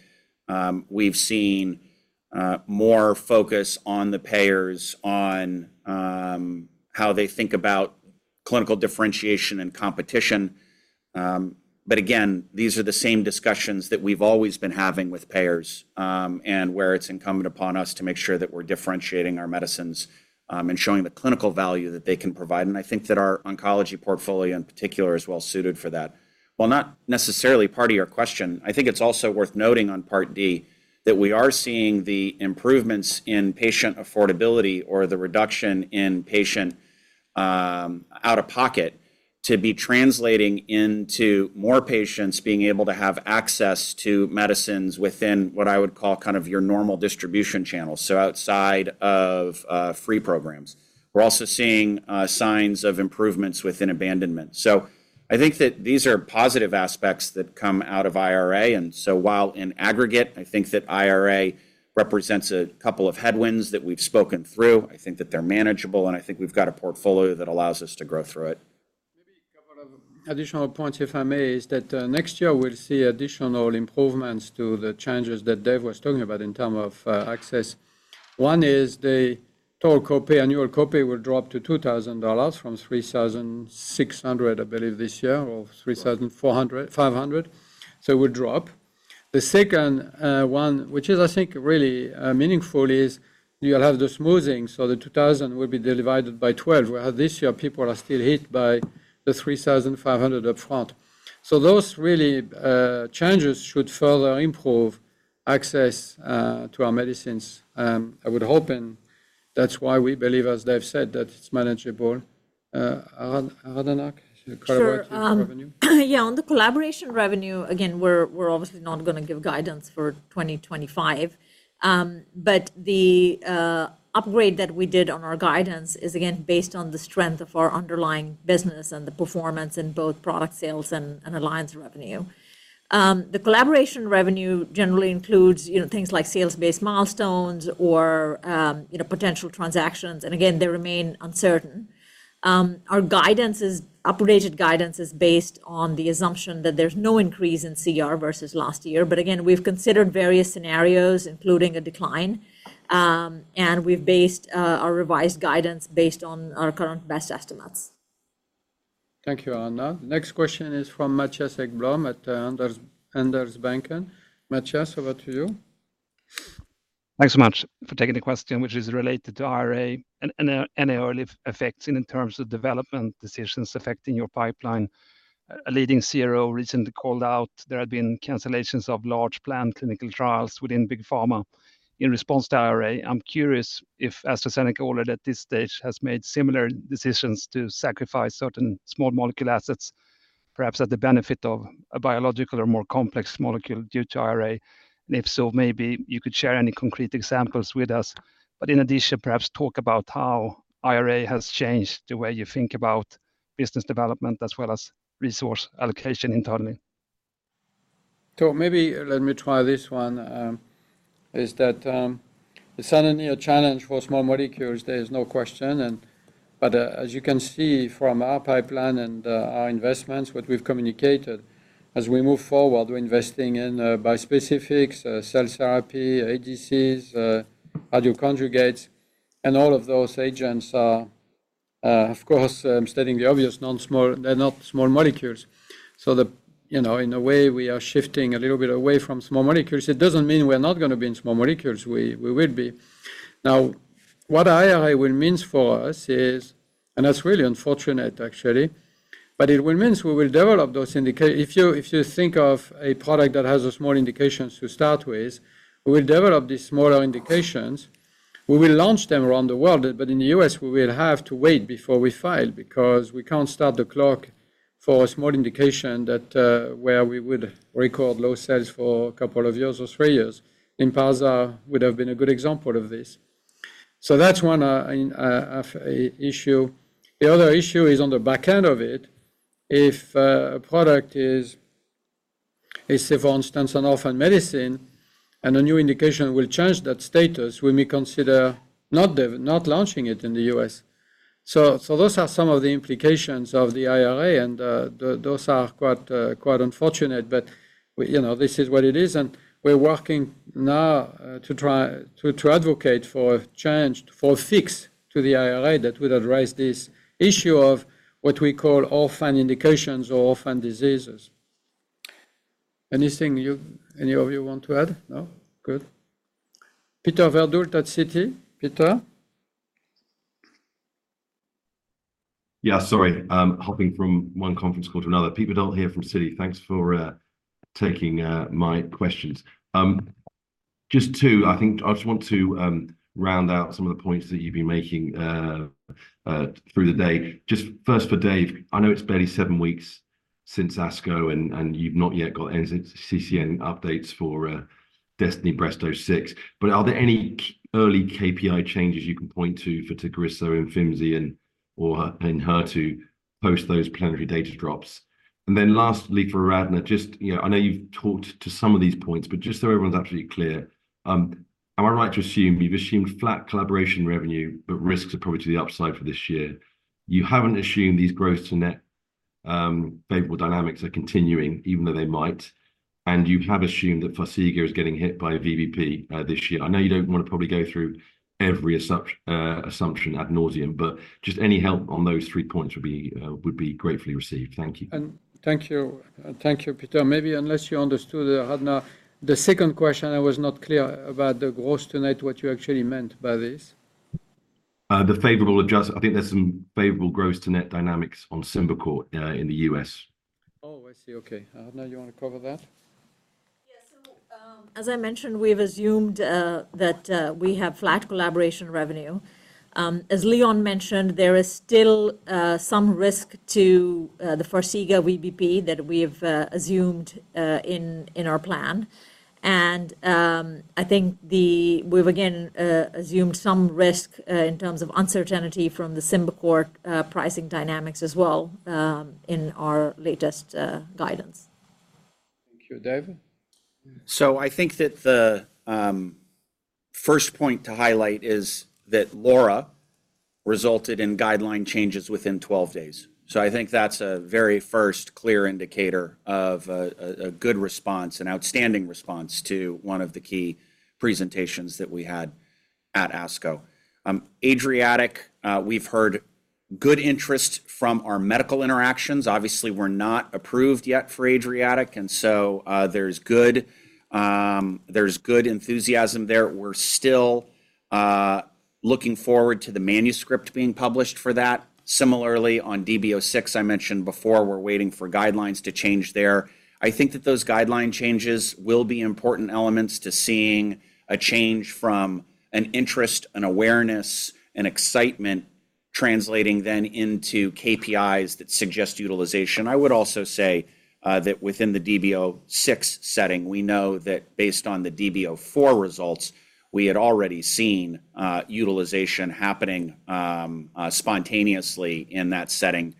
we've seen more focus on the payers, on how they think about clinical differentiation and competition. But again, these are the same discussions that we've always been having with payers, and where it's incumbent upon us to make sure that we're differentiating our medicines, and showing the clinical value that they can provide. And I think that our oncology portfolio, in particular, is well suited for that. While not necessarily part of your question, I think it's also worth noting on Part D, that we are seeing the improvements in patient affordability or the reduction in patient, out-of-pocket, to be translating into more patients being able to have access to medicines within what I would call kind of your normal distribution channel, so outside of, free programs. We're also seeing, signs of improvements within abandonment. So I think that these are positive aspects that come out of IRA, and so while in aggregate, I think that IRA represents a couple of headwinds that we've spoken through, I think that they're manageable, and I think we've got a portfolio that allows us to grow through it. Maybe a couple of additional points, if I may, is that next year we'll see additional improvements to the changes that Dave was talking about in terms of access. One is the total copay. Annual copay will drop to $2,000 from $3,600, I believe, this year, or $3,450. So it will drop. The second one, which is I think really meaningful, is you'll have the smoothing, so the $2,000 will be divided by 12, whereas this year, people are still hit by the $3,500 upfront. So those really changes should further improve access to our medicines, I would hope, and that's why we believe, as Dave said, that it's manageable. Aradhana, the collaboration revenue? Sure. Yeah, on the collaboration revenue, again, we're obviously not gonna give guidance for 2025. But the upgrade that we did on our guidance is, again, based on the strength of our underlying business and the performance in both product sales and alliance revenue. The collaboration revenue generally includes, you know, things like sales-based milestones or, you know, potential transactions, and again, they remain uncertain. Our upgraded guidance is based on the assumption that there's no increase in CR versus last year. But again, we've considered various scenarios, including a decline, and we've based our revised guidance on our current best estimates. Thank you, Aradhana. The next question is from Mattias Häggblom at Handelsbanken. Mattias, over to you. Thanks so much for taking the question, which is related to IRA and any early effects in terms of development decisions affecting your pipeline. A leading CRO recently called out there had been cancellations of large planned clinical trials within big pharma in response to IRA. I'm curious if AstraZeneca already at this stage has made similar decisions to sacrifice certain small molecule assets, perhaps at the benefit of a biological or more complex molecule due to IRA? And if so, maybe you could share any concrete examples with us, but in addition, perhaps talk about how IRA has changed the way you think about business development as well as resource allocation internally. So maybe let me try this one. There's certainly a challenge for small molecules, there is no question, and but, as you can see from our pipeline and, our investments, what we've communicated, as we move forward, we're investing in, bispecifics, cell therapy, ADCs, antibody-drug conjugates, and all of those agents are, of course, I'm stating the obvious, non-small... They're not small molecules. So the, you know, in a way, we are shifting a little bit away from small molecules. It doesn't mean we're not gonna be in small molecules. We, we will be. Now, what IRA will means for us is, and that's really unfortunate, actually, but it will means we will develop those if you, if you think of a product that has a small indications to start with, we will develop these smaller indications. We will launch them around the world, but in the U.S., we will have to wait before we file because we can't start the clock for a small indication that, where we would record low sales for a couple of years or three years. Lynparza would have been a good example of this. So that's one issue. The other issue is on the back end of it. If a product is, for instance, an orphan medicine and a new indication will change that status, we may consider not launching it in the U.S. So, so those are some of the implications of the IRA, and the, those are quite, quite unfortunate, but we, you know, this is what it is, and we're working now to try, to, to advocate for a change, for a fix to the IRA that would address this issue of what we call orphan indications or orphan diseases. Anything you, any of you want to add? No? Good. Peter Verdult, Citi. Peter? Yeah, sorry, hopping from one conference call to another. Peter Verdult here from Citi. Thanks for taking my questions. Just two. I think I just want to round out some of the points that you've been making through the day. Just first for Dave, I know it's barely seven weeks since ASCO, and you've not yet got any NCCN updates for Destiny-Breast06, but are there any early KPI changes you can point to for Tagrisso and Imfinzi and/or HER2 post those preliminary data drops? And then lastly, for Aradhana, just, you know, I know you've talked to some of these points, but just so everyone's absolutely clear, am I right to assume you've assumed flat collaboration revenue, but risks are probably to the upside for this year? You haven't assumed these gross to net favorable dynamics are continuing, even though they might, and you have assumed that Farxiga is getting hit by a VBP this year. I know you don't want to probably go through every assumption ad nauseam, but just any help on those three points would be gratefully received. Thank you. Thank you. Thank you, Peter. Maybe unless you understood, Aradhana, the second question, I was not clear about the gross to net, what you actually meant by this. I think there's some favorable gross to net dynamics on Symbicort, in the U.S. Oh, I see. Okay. Aradhana, you want to cover that? Yes. So, as I mentioned, we've assumed that we have flat collaboration revenue. As Leon mentioned, there is still some risk to the Farxiga VBP that we've assumed in our plan. And, I think we've again assumed some risk in terms of uncertainty from the Symbicort pricing dynamics as well in our latest guidance. Thank you. Dave? So I think that the first point to highlight is that LAURA resulted in guideline changes within 12 days. So I think that's a very first clear indicator of a good response, an outstanding response to one of the key presentations that we had at ASCO. ADRIATIC, we've heard good interest from our medical interactions. Obviously, we're not approved yet for ADRIATIC, and so, there's good, there's good enthusiasm there. We're still looking forward to the manuscript being published for that. Similarly, on DB-06, I mentioned before, we're waiting for guidelines to change there. I think that those guideline changes will be important elements to seeing a change from an interest, an awareness, and excitement translating then into KPIs that suggest utilization. I would also say that within the DB-06 setting, we know that based on the DB-04 results, we had already seen utilization happening spontaneously in that setting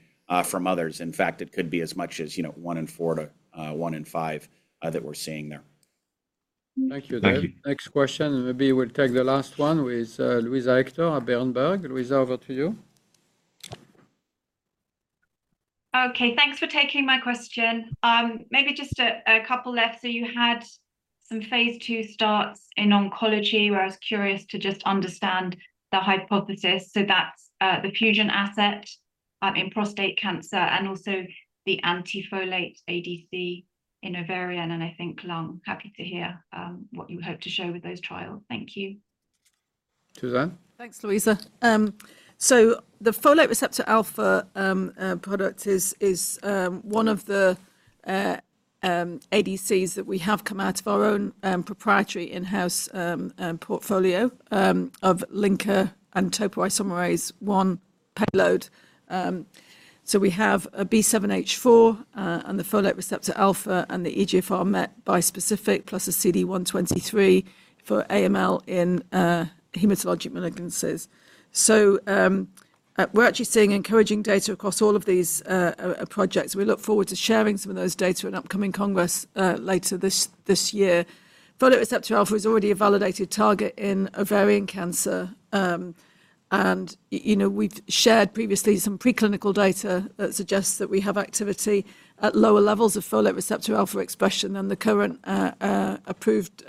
from others. In fact, it could be as much as, you know, one in four to one in five that we're seeing there. Thank you, Dave. Thank you. Next question, and maybe we'll take the last one with, Louisa Hector at Berenberg. Louisa, over to you. Okay, thanks for taking my question. Maybe just a couple left. So you had some phase 2 starts in oncology, where I was curious to just understand the hypothesis. So that's the fusion asset in prostate cancer and also the antifolate ADC in ovarian, and I think lung. Happy to hear what you hope to show with those trials. Thank you. Susan? Thanks, Louisa. So the folate receptor alpha product is one of the ADCs that we have come out of our own proprietary in-house portfolio of linker and topoisomerase 1 payload. So we have a B7-H4 and the folate receptor alpha, and the EGFR MET bispecific, plus a CD123 for AML in hematologic malignancies. We're actually seeing encouraging data across all of these projects. We look forward to sharing some of those data in upcoming congress later this year. Folate receptor alpha is already a validated target in ovarian cancer. And you know, we've shared previously some preclinical data that suggests that we have activity at lower levels of folate receptor alpha expression than the current approved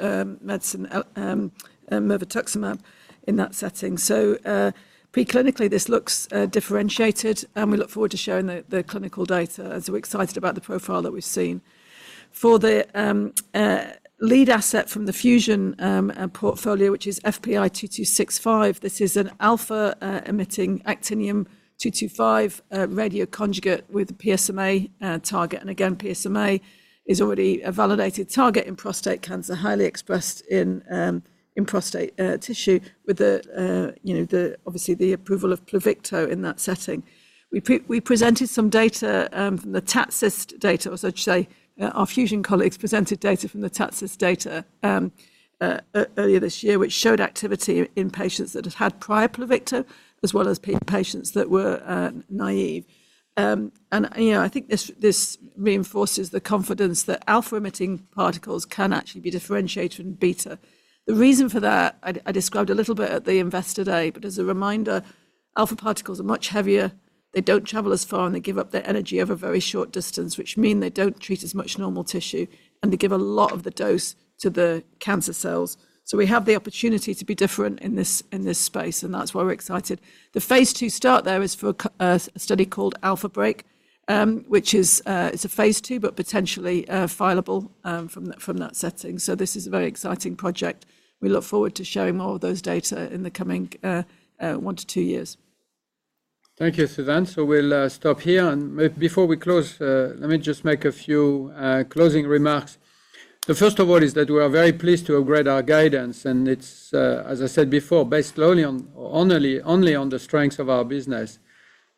mirvetuximab in that setting. So, preclinically, this looks differentiated, and we look forward to sharing the clinical data, as we're excited about the profile that we've seen. For the lead asset from the Fusion portfolio, which is FPI-2265, this is an alpha emitting actinium-225 radioconjugate with PSMA target. And again, PSMA is already a validated target in prostate cancer, highly expressed in prostate tissue with the, you know, the obvious approval of Pluvicto in that setting. We presented some data from the TATCIST data, or should I say, our fusion colleagues presented data from the TATCIST data, earlier this year, which showed activity in patients that had had prior Pluvicto, as well as patients that were, naive. And, you know, I think this reinforces the confidence that alpha-emitting particles can actually be differentiated in beta. The reason for that, I described a little bit at the Investor Day, but as a reminder, alpha particles are much heavier. They don't travel as far, and they give up their energy over a very short distance, which mean they don't treat as much normal tissue, and they give a lot of the dose to the cancer cells. So we have the opportunity to be different in this space, and that's why we're excited. The phase 2 start there is for a study called AlphaBreak, which is, it's a phase 2, but potentially filable from that, from that setting. So this is a very exciting project. We look forward to sharing more of those data in the coming 1-2 years. Thank you, Susan. So we'll stop here, and before we close, let me just make a few closing remarks. The first of all is that we are very pleased to upgrade our guidance, and it's, as I said before, based solely on... only, only on the strengths of our business,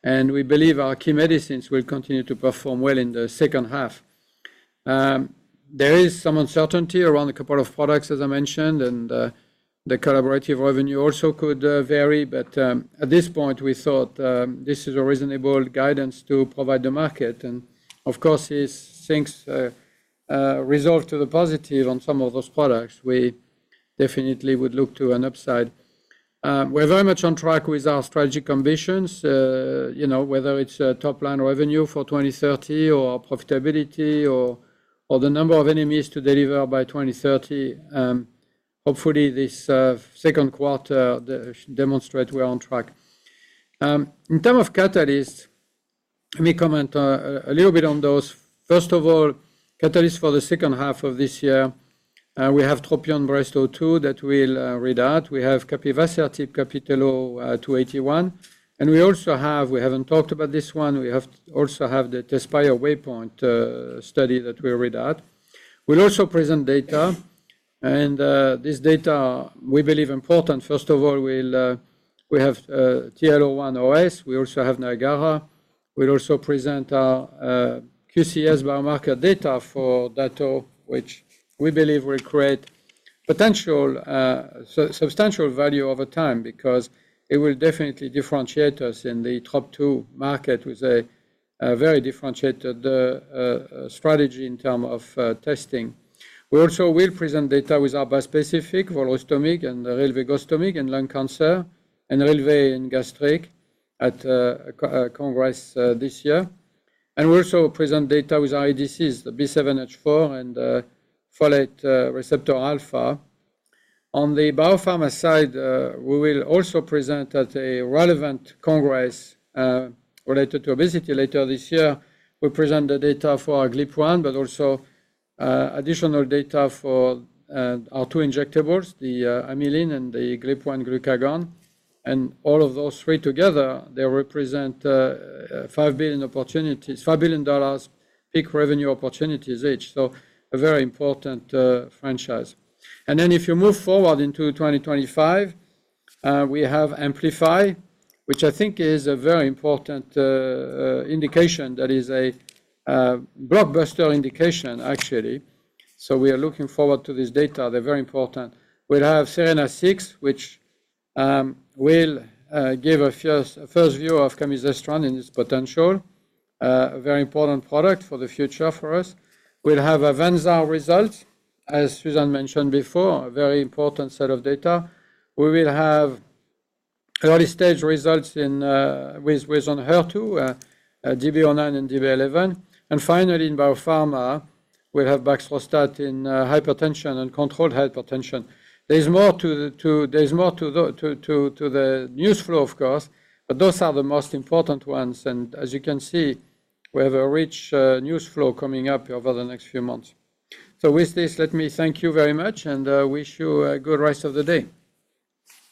and we believe our key medicines will continue to perform well in the second half. There is some uncertainty around a couple of products, as I mentioned, and the collaborative revenue also could vary, but at this point, we thought this is a reasonable guidance to provide the market. Of course, if things resolve to the positive on some of those products, we definitely would look to an upside. We're very much on track with our strategic ambitions, you know, whether it's top-line revenue for 2030 or profitability or the number of NMEs to deliver by 2030. Hopefully, this second quarter demonstrate we are on track. In terms of catalysts, let me comment a little bit on those. First of all, catalysts for the second half of this year, we have TROPION-Breast02 that we'll read out. We have capivasertib CAPItello-281, and we also have the Tezspire WAYPOINT study that we'll read out. We'll also present data, and this data, we believe important. First of all, we have TL01 OS. We also have NIAGARA. We'll also present our Trop-2 biomarker data for Dato-DXd, which we believe will create potential substantial value over time because it will definitely differentiate us in the Trop-2 market with a very differentiated strategy in terms of testing. We also will present data with our bispecific volrustomig and rilvegostimig in lung cancer and volrustomig in gastric at congress this year. And we'll also present data with our ADCs, the B7-H4 and folate receptor alpha. On the biopharma side, we will also present at a relevant congress related to obesity later this year. We'll present the data for our GLP-1, but also additional data for our two injectables, the amylin and the GLP-1 glucagon. All of those 3 together, they represent 5 billion opportunities, $5 billion peak revenue opportunities each, so a very important franchise. Then if you move forward into 2025, we have AMPLIFY, which I think is a very important indication, that is a blockbuster indication, actually. So we are looking forward to this data. They're very important. We'll have SERENA-6, which will give a first view of camizestrant and its potential, a very important product for the future for us. We'll have AVANZAR results, as Susan mentioned before, a very important set of data. We will have early-stage results with Enhertu, DB-09 and DB-11. And finally, in biopharma, we'll have baxdrostat in hypertension and uncontrolled hypertension. There's more to the, to... There's more to the news flow, of course, but those are the most important ones. And as you can see, we have a rich news flow coming up over the next few months. So with this, let me thank you very much and wish you a good rest of the day.